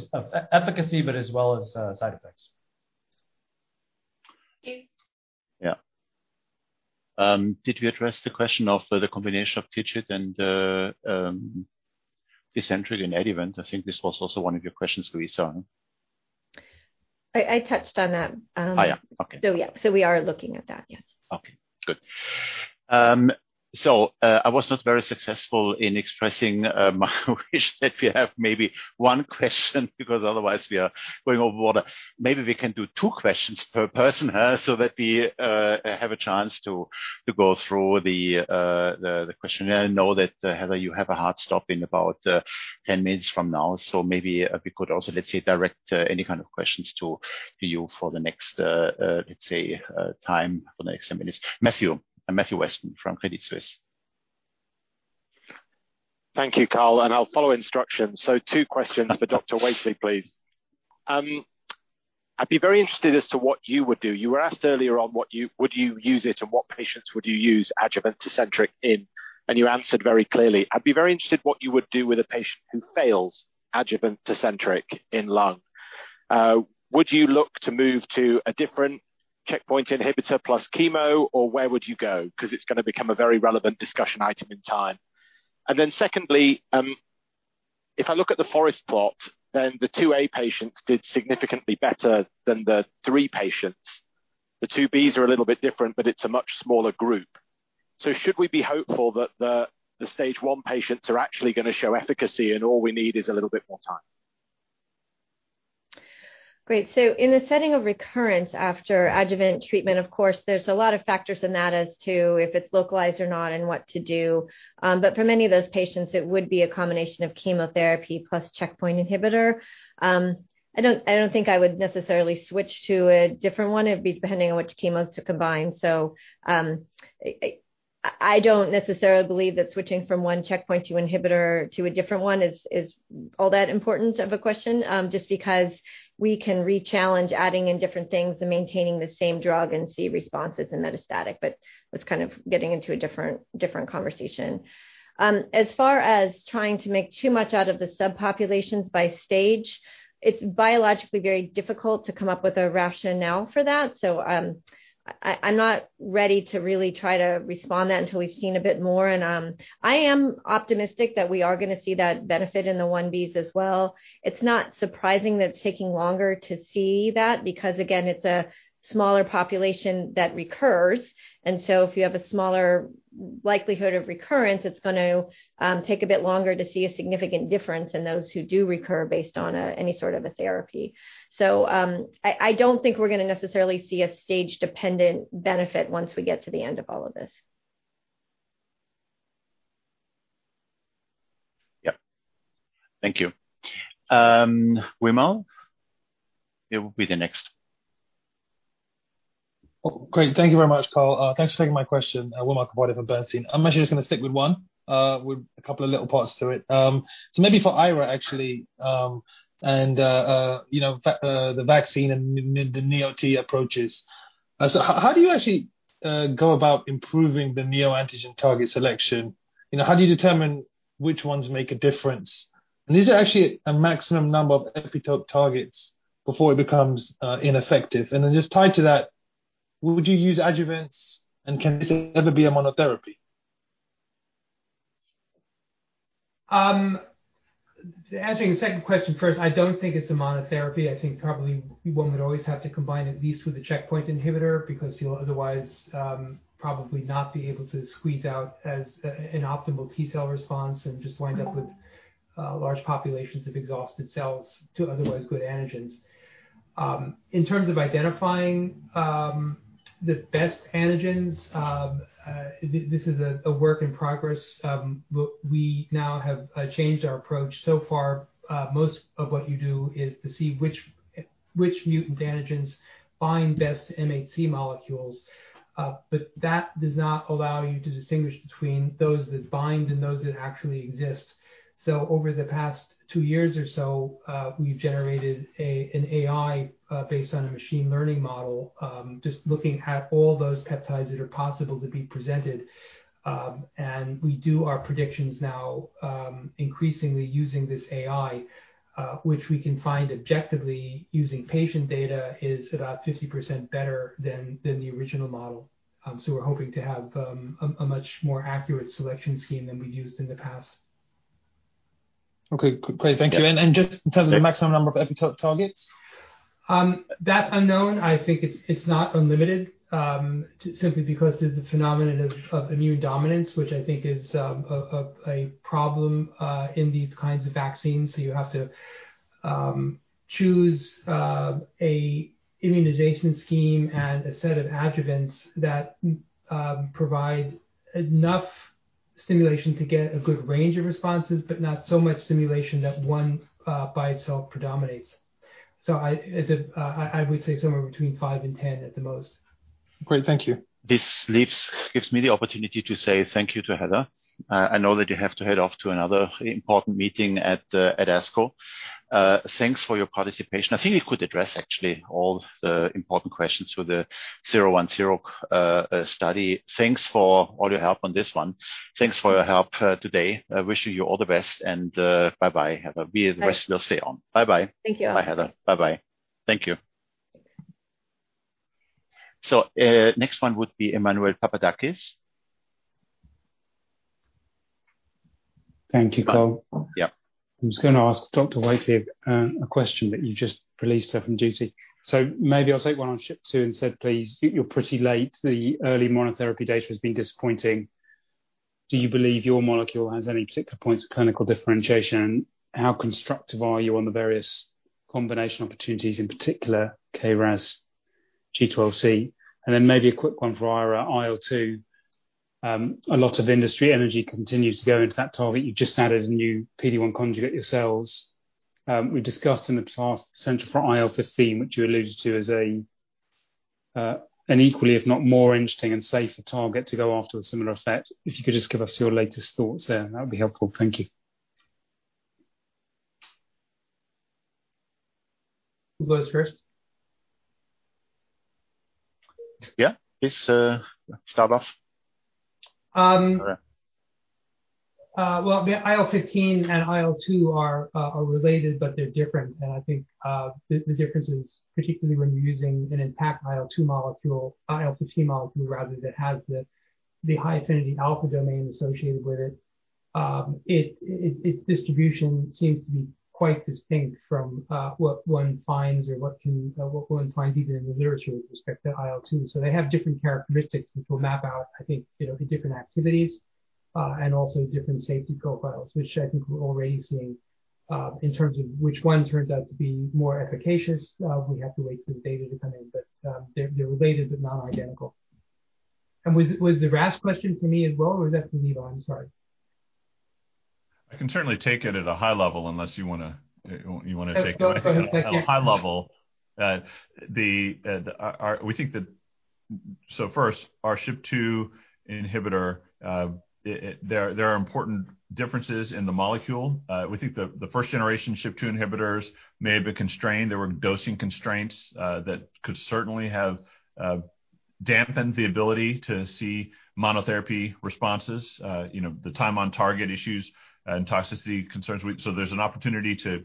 efficacy, but as well as side effects. Yeah. Did we address the question of the combination of TIGIT and Tecentriq in adjuvant? I think this was also one of your questions, Luisa. I touched on that. Oh, yeah. Okay. Yeah. We are looking at that, yes. Okay, good. I was not very successful in expressing my wish that we have maybe one question, because otherwise we are going over. Maybe we can do two questions per person, so that we have a chance to go through the questionnaire. I know that Heather, you have a hard stop in about 10 minutes from now, so maybe we could also, let's say, direct any kind of questions to you for the next, let's say, time for the next 10 minutes. Matthew. Matthew Weston from Credit Suisse. Thank you, Karl, and I'll follow instructions. Two questions for Dr. Wakelee, please. I'd be very interested as to what you would do. You were asked earlier on would you use it and what patients would you use adjuvant Tecentriq in, and you answered very clearly. I'd be very interested what you would do with a patient who fails adjuvant Tecentriq in lung. Would you look to move to a different checkpoint inhibitor plus chemo, or where would you go? Because it's going to become a very relevant discussion item in time. Secondly, if I look at the forest plot, the stage 2A patients did significantly better than the stage 3 patients. The stage 2Bs are a little bit different, but it's a much smaller group. Should we be hopeful that the stage 1 patients are actually going to show efficacy and all we need is a little bit more time? Great. In the setting of recurrence after adjuvant treatment, of course, there's a lot of factors in that as to if it's localized or not and what to do. For many of those patients, it would be a combination of chemotherapy plus checkpoint inhibitor. I don't think I would necessarily switch to a different one. It'd be depending on which chemos to combine. I don't necessarily believe that switching from one checkpoint inhibitor to a different one is all that important of a question, just because we can re-challenge adding in different things and maintaining the same drug and see responses in metastatic, but that's kind of getting into a different conversation. As far as trying to make too much out of the subpopulations by stage, it's biologically very difficult to come up with a rationale for that. I'm not ready to really try to respond to that until we've seen a bit more, and I am optimistic that we are going to see that benefit in the phase Ib as well. It's not surprising that it's taking longer to see that, because again, it's a smaller population that recurs. If you have a smaller likelihood of recurrence, it's going to take a bit longer to see a significant difference in those who do recur based on any sort of a therapy. I don't think we're going to necessarily see a stage-dependent benefit once we get to the end of all of this. Yep. Thank you. Wimal, you will be the next. Great. Thank you very much, Karl. Thanks for taking my question. Wimal Kapadia from Bernstein. I'm actually just going to stick with one, with a couple of little parts to it. Maybe for Ira, actually, and the vaccine and the neo-T approaches. How do you actually go about improving the neoantigen target selection? How do you determine which ones make a difference? Is there actually a maximum number of epitope targets before it becomes ineffective? Just tied to that, would you use adjuvants, and can this ever be a monotherapy? Answering the second question first, I don't think it's a monotherapy. I think probably one would always have to combine at least with a checkpoint inhibitor, because you'll otherwise probably not be able to squeeze out an optimal T-cell response and just wind up with large populations of exhausted cells to otherwise good antigens. In terms of identifying the best antigens, this is a work in progress, but we now have changed our approach. Far, most of what you do is to see which mutant antigens bind best to MHC molecules. That does not allow you to distinguish between those that bind and those that actually exist. Over the past two years or so, we've generated an AI-based on a machine-learning model, just looking at all those peptides that are possible to be presented. We do our predictions now increasingly using this AI, which we can find objectively using patient data is about 50% better than the original model. We're hoping to have a much more accurate selection scheme than we've used in the past. Okay. Great. Thank you. Just in terms of the maximum number of epitope targets? That's unknown. I think it's not unlimited, simply because there's a phenomenon of immune dominance, which I think is a problem in these kinds of vaccines. You have to choose a immunization scheme and a set of adjuvants that provide enough stimulation to get a good range of responses, but not so much stimulation that one by itself predominates. I would say somewhere between five and 10 at the most. Great. Thank you. This gives me the opportunity to say thank you to Heather. I know that you have to head off to another important meeting at ASCO. Thanks for your participation. I think we could address actually all the important questions for the IMpower010 study. Thanks for all your help on this one. Thanks for your help today. I wish you all the best, and bye-bye. Heather, we'll stay on. Bye-bye. Thank you. Bye, Heather. Bye-bye. Thank you. Next one would be Emmanuel Papadakis. Thank you, Karl. Yep. I'm just going to ask Dr. Wakelee a question, but you've just released her from duty. Maybe I'll take one on SHP2 instead, please. You're pretty late. The early monotherapy data has been disappointing. Do you believe your molecule has any particular points of clinical differentiation? How constructive are you on the various combination opportunities, in particular KRAS G12C? Maybe a quick one for Ira, IL-2. A lot of industry energy continues to go into that target. You just added a new PD-1 conjugate yourselves. We discussed in the past center for IL-15, which you alluded to as an equally, if not more interesting and safer target to go after with similar effect. If you could just give us your latest thoughts there, that would be helpful. Thank you. Who goes first? Yeah, please start off. Well, the IL-15 and IL-2 are related, but they're different. I think the difference is particularly when you're using an intact IL-2 molecule, IL-15 molecule rather, that has the high affinity alpha domain associated with it. Its distribution seems to be quite distinct from what one finds, or what can one find even in the literature with respect to IL-2. They have different characteristics, which we'll map out, I think, in different activities, and also different safety profiles, which I think we're already seeing. In terms of which one turns out to be more efficacious, we have to wait for the data to come in. They're related, but not identical. Was the RAS question for me as well, or was that for Levi? Sorry. I can certainly take it at a high level unless you want to take it. I think at a high level, first, our SHP2 inhibitor, there are important differences in the molecule. We think the first-generation SHP2 inhibitors may have been constrained. There were dosing constraints that could certainly have dampened the ability to see monotherapy responses, the time on target issues and toxicity concerns. There's an opportunity to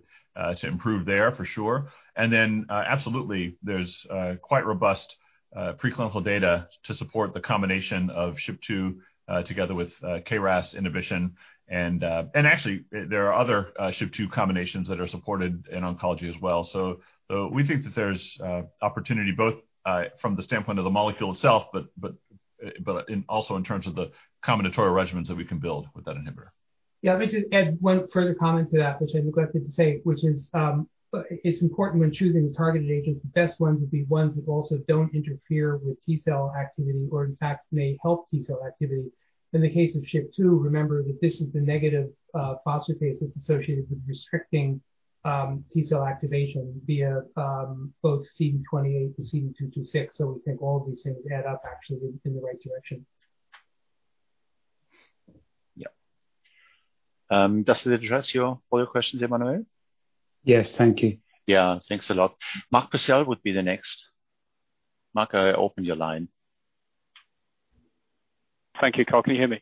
improve there for sure. Absolutely, there's quite robust preclinical data to support the combination of SHP2 together with KRAS inhibition, and actually, there are other SHP2 combinations that are supported in oncology as well. We think that there's opportunity both from the standpoint of the molecule itself, but also in terms of the combinatorial regimens that we can build with that inhibitor. Let me just add one further comment to that, which I forgot to say, which is it's important when choosing a target agent, the best ones would be ones that also don't interfere with T-cell activity or in fact may help T-cell activity. In the case of SHP2, remember that this is the negative phosphatase that's associated with restricting T-cell activation via both CD28 to CD226. We think all of these things add up actually in the right direction. Yeah. Does that address all your questions, Emmanuel? Yes. Thank you. Yeah, thanks a lot. Mark Purcell would be the next. Mark, I opened your line. Thank you, Karl. Can you hear me?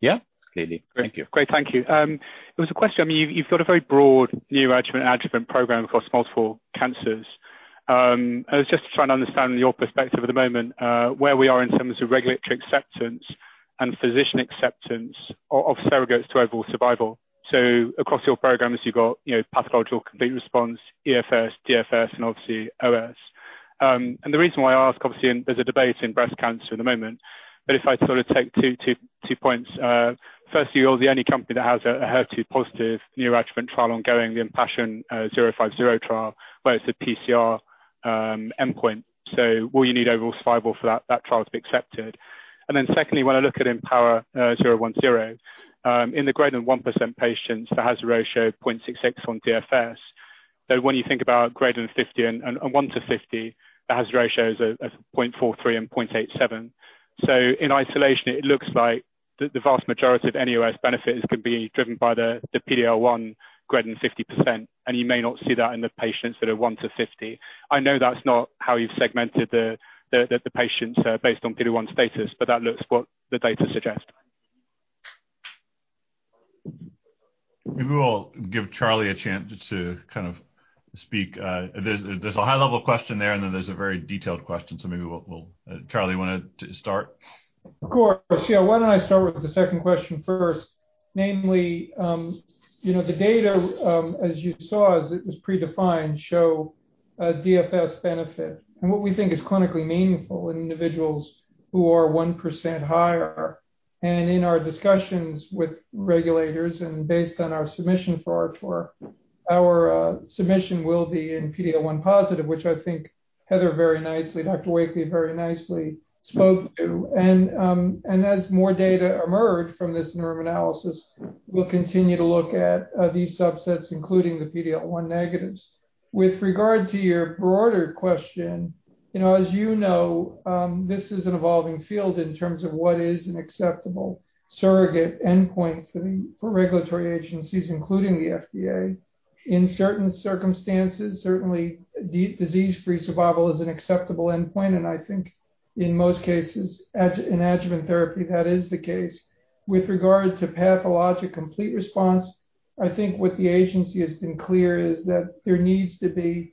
Yeah. Clearly. Great. Thank you. It was a question, you've got a very broad neoadjuvant program across multiple cancers. I was just trying to understand your perspective at the moment, where we are in terms of regulatory acceptance and physician acceptance of surrogates to overall survival. Across your programs, you've got pathologic complete response, EFS, DFS, and obviously OS. The reason why I ask, obviously, there's a debate in breast cancer at the moment, but if I take two points. Firstly, you're the only company that has a HER2-positive neoadjuvant trial ongoing, the IMpassion050 trial, where it's a pCR endpoint. Will you need overall survival for that trial to be accepted? Secondly, when I look at IMpower010, in the greater than 1% patients that has a ratio of 0.66 on DFS. When you think about greater than 50% and 1:50, that has ratios of 0.43 and 0.87. In isolation, it looks like the vast majority of any OS benefit has been being driven by the PD-L1 greater than 50%, and you may not see that in the patients that are 1:50. I know that's not how you segmented the patients based on PD-L1 status, that looks what the data suggests. Maybe we'll give Charlie a chance to speak. There's a high-level question there, and then there's a very detailed question. Maybe, Charlie, you want to start? Of course. Yeah. Why don't I start with the second question first? Namely, the data, as you saw, as it was predefined, show a DFS benefit and what we think is clinically meaningful in individuals who are 1% higher. In our discussions with regulators and based on our submission for RTOR, our submission will be in PD-L1 positive, which I think Heather Wakelee very nicely, Dr. Wakelee very nicely spoke to. As more data emerge from this nerve analysis, we'll continue to look at these subsets, including the PD-L1 negatives. With regard to your broader question, as you know, this is an evolving field in terms of what is an acceptable surrogate endpoint for regulatory agencies, including the FDA. In certain circumstances, certainly disease-free survival is an acceptable endpoint, and I think in most cases, in adjuvant therapy, that is the case. With regard to pathologic complete response, I think what the agency has been clear is that there needs to be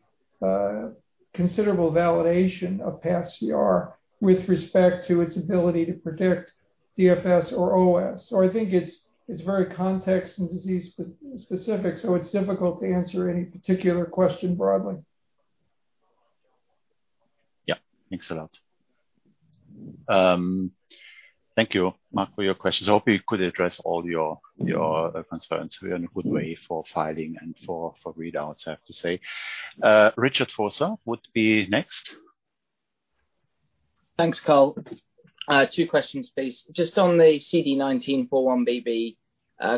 considerable validation of pCR with respect to its ability to predict DFS or OS. I think it's very context and disease specific, so it's difficult to answer any particular question broadly. Yeah. Thanks a lot. Thank you, Mark, for your questions. I hope we could address all your concerns in a good way for filing and for readouts, I have to say. Richard Vosser would be next. Thanks, Karl. Two questions, please. Just on the CD19 4-1BB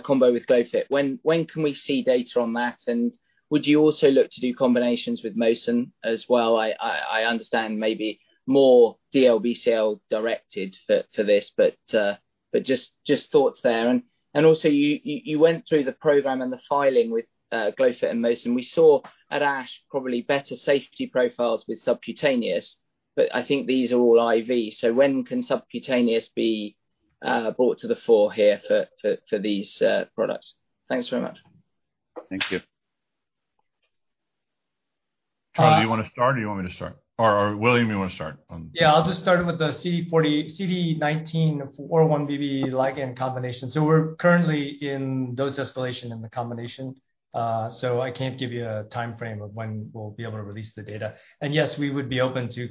combo with glofitamab. When can we see data on that, and would you also look to do combinations with mosunetuzumab as well? I understand maybe more DLBCL directed for this. Just thoughts there. You went through the program and the filing with glofitamab and mosunetuzumab. We saw at ASH probably better safety profiles with subcutaneous. I think these are all IV. When can subcutaneous be brought to the fore here for these products? Thanks very much. Thank you. Charlie, do you want to start or you want me to start? William, do you want to start on this? Yeah, I'll just start with the CD19 4-1BB ligand combination. We're currently in dose escalation in the combination. I can't give you a timeframe of when we'll be able to release the data. Yes, we would be open to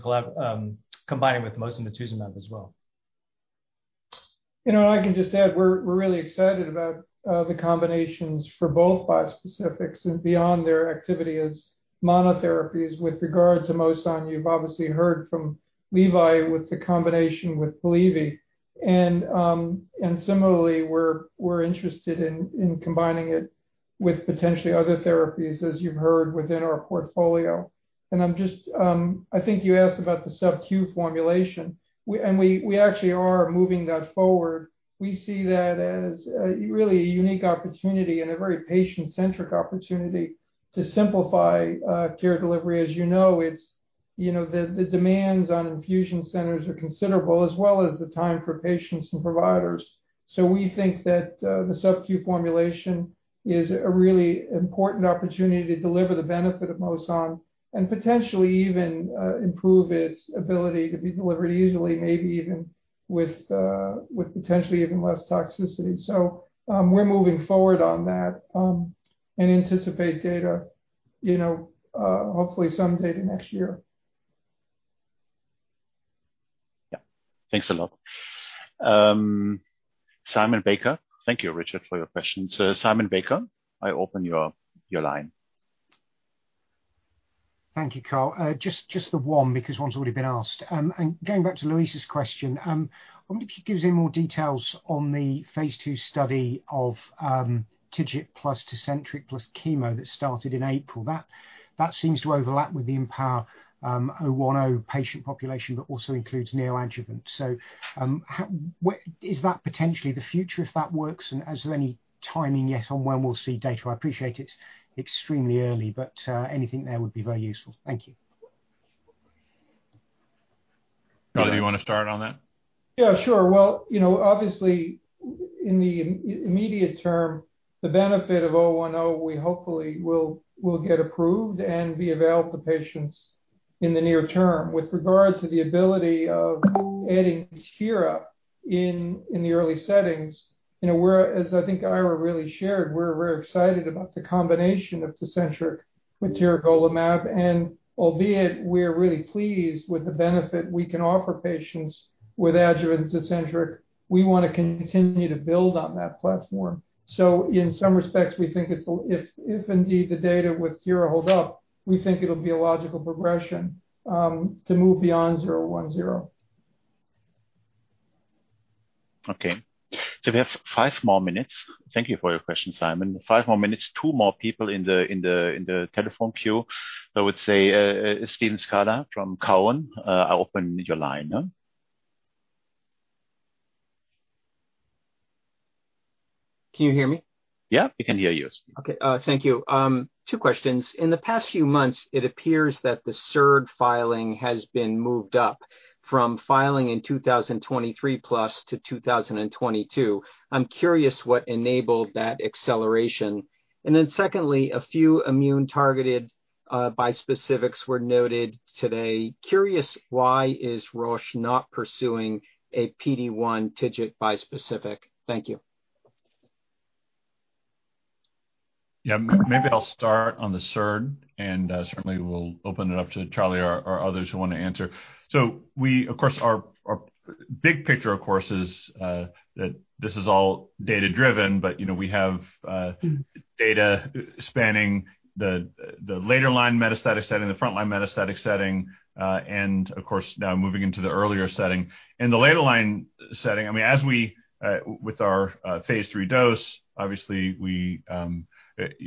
combine with mosunetuzumab as well. I can just add, we're really excited about the combinations for both bispecifics and beyond their activity as monotherapies. With regard to Mosun, you've obviously heard from Levi with the combination with Polivy. Similarly, we're interested in combining it with potentially other therapies, as you've heard within our portfolio. I think you asked about the subcu formulation, and we actually are moving that forward. We see that as really a unique opportunity and a very patient-centric opportunity to simplify care delivery. As you know, the demands on infusion centers are considerable, as well as the time for patients and providers. We think that the subcu formulation is a really important opportunity to deliver the benefit of mosun and potentially even improve its ability to be delivered easily, maybe even with potentially even less toxicity. We're moving forward on that, and anticipate data, hopefully some data next year. Yeah, thanks a lot. Simon Baker. Thank you, Richard, for your question. Simon Baker, I open your line. Thank you, Karl. Just the one, because one's already been asked. Going back to Luisa's question, I wonder if you could give us any more details on the phase II study of TIGIT plus Tecentriq plus chemo that started in April. That seems to overlap with the IMpower010 patient population that also includes neoadjuvant. Is that potentially the future if that works, and is there any timing yet on when we'll see data? I appreciate it's extremely early. Anything there would be very useful. Thank you. Charlie, do you want to start on that? Yeah, sure. Well, obviously, in the immediate term, the benefit of IMpower010, we hopefully will get approved and be available to patients in the near term. With regard to the ability of adding tira in the early settings, as I think Ira really shared, we're very excited about the combination of Tecentriq with tiragolumab. Albeit we are really pleased with the benefit we can offer patients with adjuvant Tecentriq, we want to continue to build on that platform. In some respects, we think if indeed the data with tira holds up, we think it'll be a logical progression to move beyond IMpower010. We have five more minutes. Thank you for your question, Simon. Five more minutes. Two more people in the telephone queue. I would say, Steve Scala from Cowen, I open your line now. Can you hear me? Yeah, we can hear you. Okay. Thank you. Two questions. In the past few months, it appears that the SERD filing has been moved up from filing in 2023 plus to 2022. I'm curious what enabled that acceleration. Secondly, a few immune-targeted bispecifics were noted today. Curious, why is Roche not pursuing a PD-1 TIGIT bispecific? Thank you. Yeah. Maybe I'll start on the SERD, and certainly we'll open it up to Charlie or others who want to answer. Of course, our big picture, of course, is that this is all data-driven, but we have data spanning the later line metastatic setting, the frontline metastatic setting, and of course, now moving into the earlier setting. In the later line setting, with our phase III dose, obviously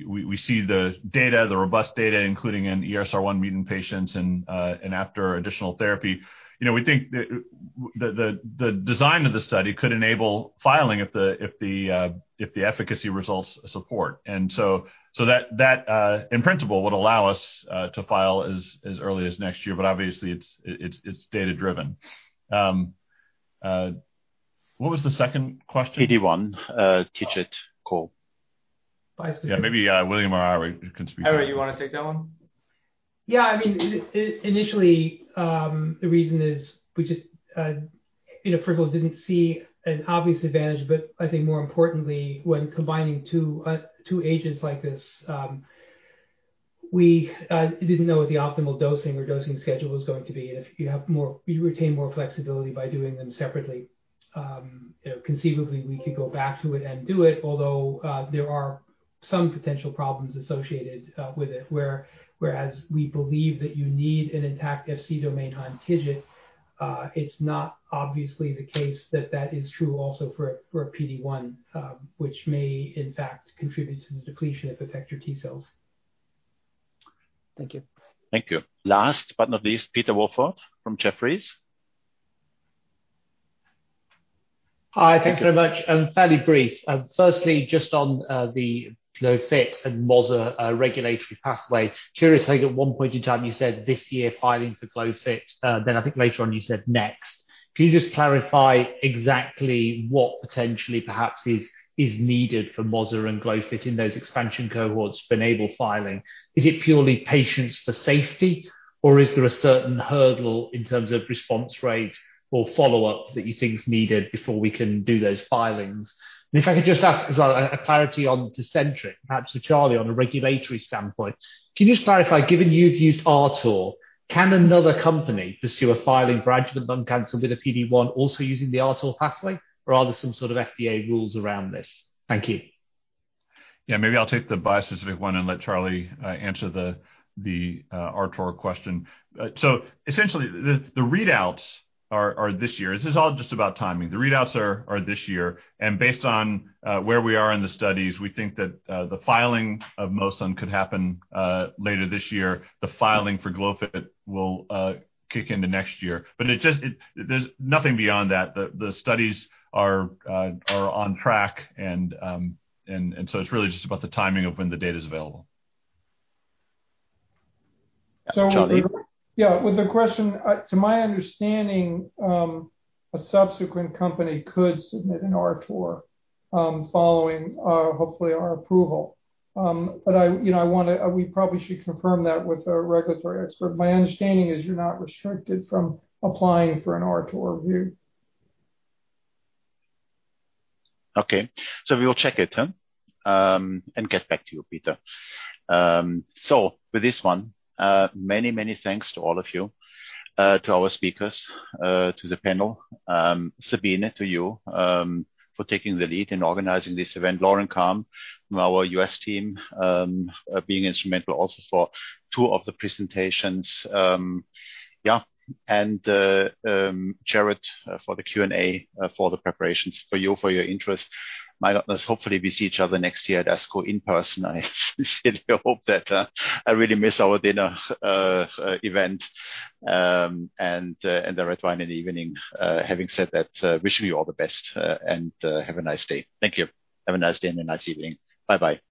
we see the data, the robust data, including in ESR1 mutant patients and after additional therapy. We think that the design of the study could enable filing if the efficacy results support. That in principle would allow us to file as early as next year, but obviously it's data-driven. What was the second question? PD-1, TIGIT call. Yeah, maybe William or Ira can speak to that. Ira, you want to take that one? Yeah. Initially, the reason is we just, in a frugal, didn't see an obvious advantage. I think more importantly, when combining two agents like this, we didn't know what the optimal dosing or dosing schedule was going to be. You retain more flexibility by doing them separately. Conceivably, we could go back to it and do it, although there are some potential problems associated with it, whereas we believe that you need an intact FC domain on TIGIT. It's not obviously the case that is true also for a PD-1, which may in fact contribute to the depletion of effector T cells. Thank you. Thank you. Last but not least, Peter Welford from Jefferies. Hi, thanks very much. Fairly brief. Firstly, just on the glofitamab and mosunetuzumab regulatory pathway. Curious how at one point in time you said this year filing for glofitamab, then I think later on you said next. Can you just clarify exactly what potentially perhaps is needed for mosunetuzumab and glofitamab in those expansion cohorts to enable filing? Is it purely patients for safety, or is there a certain hurdle in terms of response rate or follow-up that you think is needed before we can do those filings? If I could just ask as well a clarity on Tecentriq, perhaps to Charlie on a regulatory standpoint. Can you just clarify, given you've used RTOR, can another company pursue a filing for adjuvant lung cancer with a PD-1 also using the RTOR pathway, or are there some sort of FDA rules around this? Thank you. Yeah, maybe I'll take the bispecific one and let Charlie answer the RTOR question. Essentially, the readouts are this year. This is all just about timing. The readouts are this year, and based on where we are in the studies, we think that the filing of Mosun could happen later this year. The filing for GLO-FIT will kick into next year, but there's nothing beyond that. The studies are on track, and so it's really just about the timing of when the data is available. Charlie? With the question, to my understanding, a subsequent company could submit an RTOR following, hopefully, our approval. We probably should confirm that with a regulatory expert. My understanding is you're not restricted from applying for an RTOR review. Okay. We will check it then, and get back to you, Peter. With this one, many, many thanks to all of you, to our speakers, to the panel, Sabine, to you, for taking the lead in organizing this event. Lauren Kahn from our U.S. team, being instrumental also for two of the presentations. Yeah, Jared for the Q&A, for the preparations, for you, for your interest. Mate, let's hopefully we see each other next year at ASCO in person. I really hope that. I really miss our dinner event, and the red wine in the evening. Having said that, wish you all the best and have a nice day. Thank you. Have a nice day and a nice evening. Bye-bye.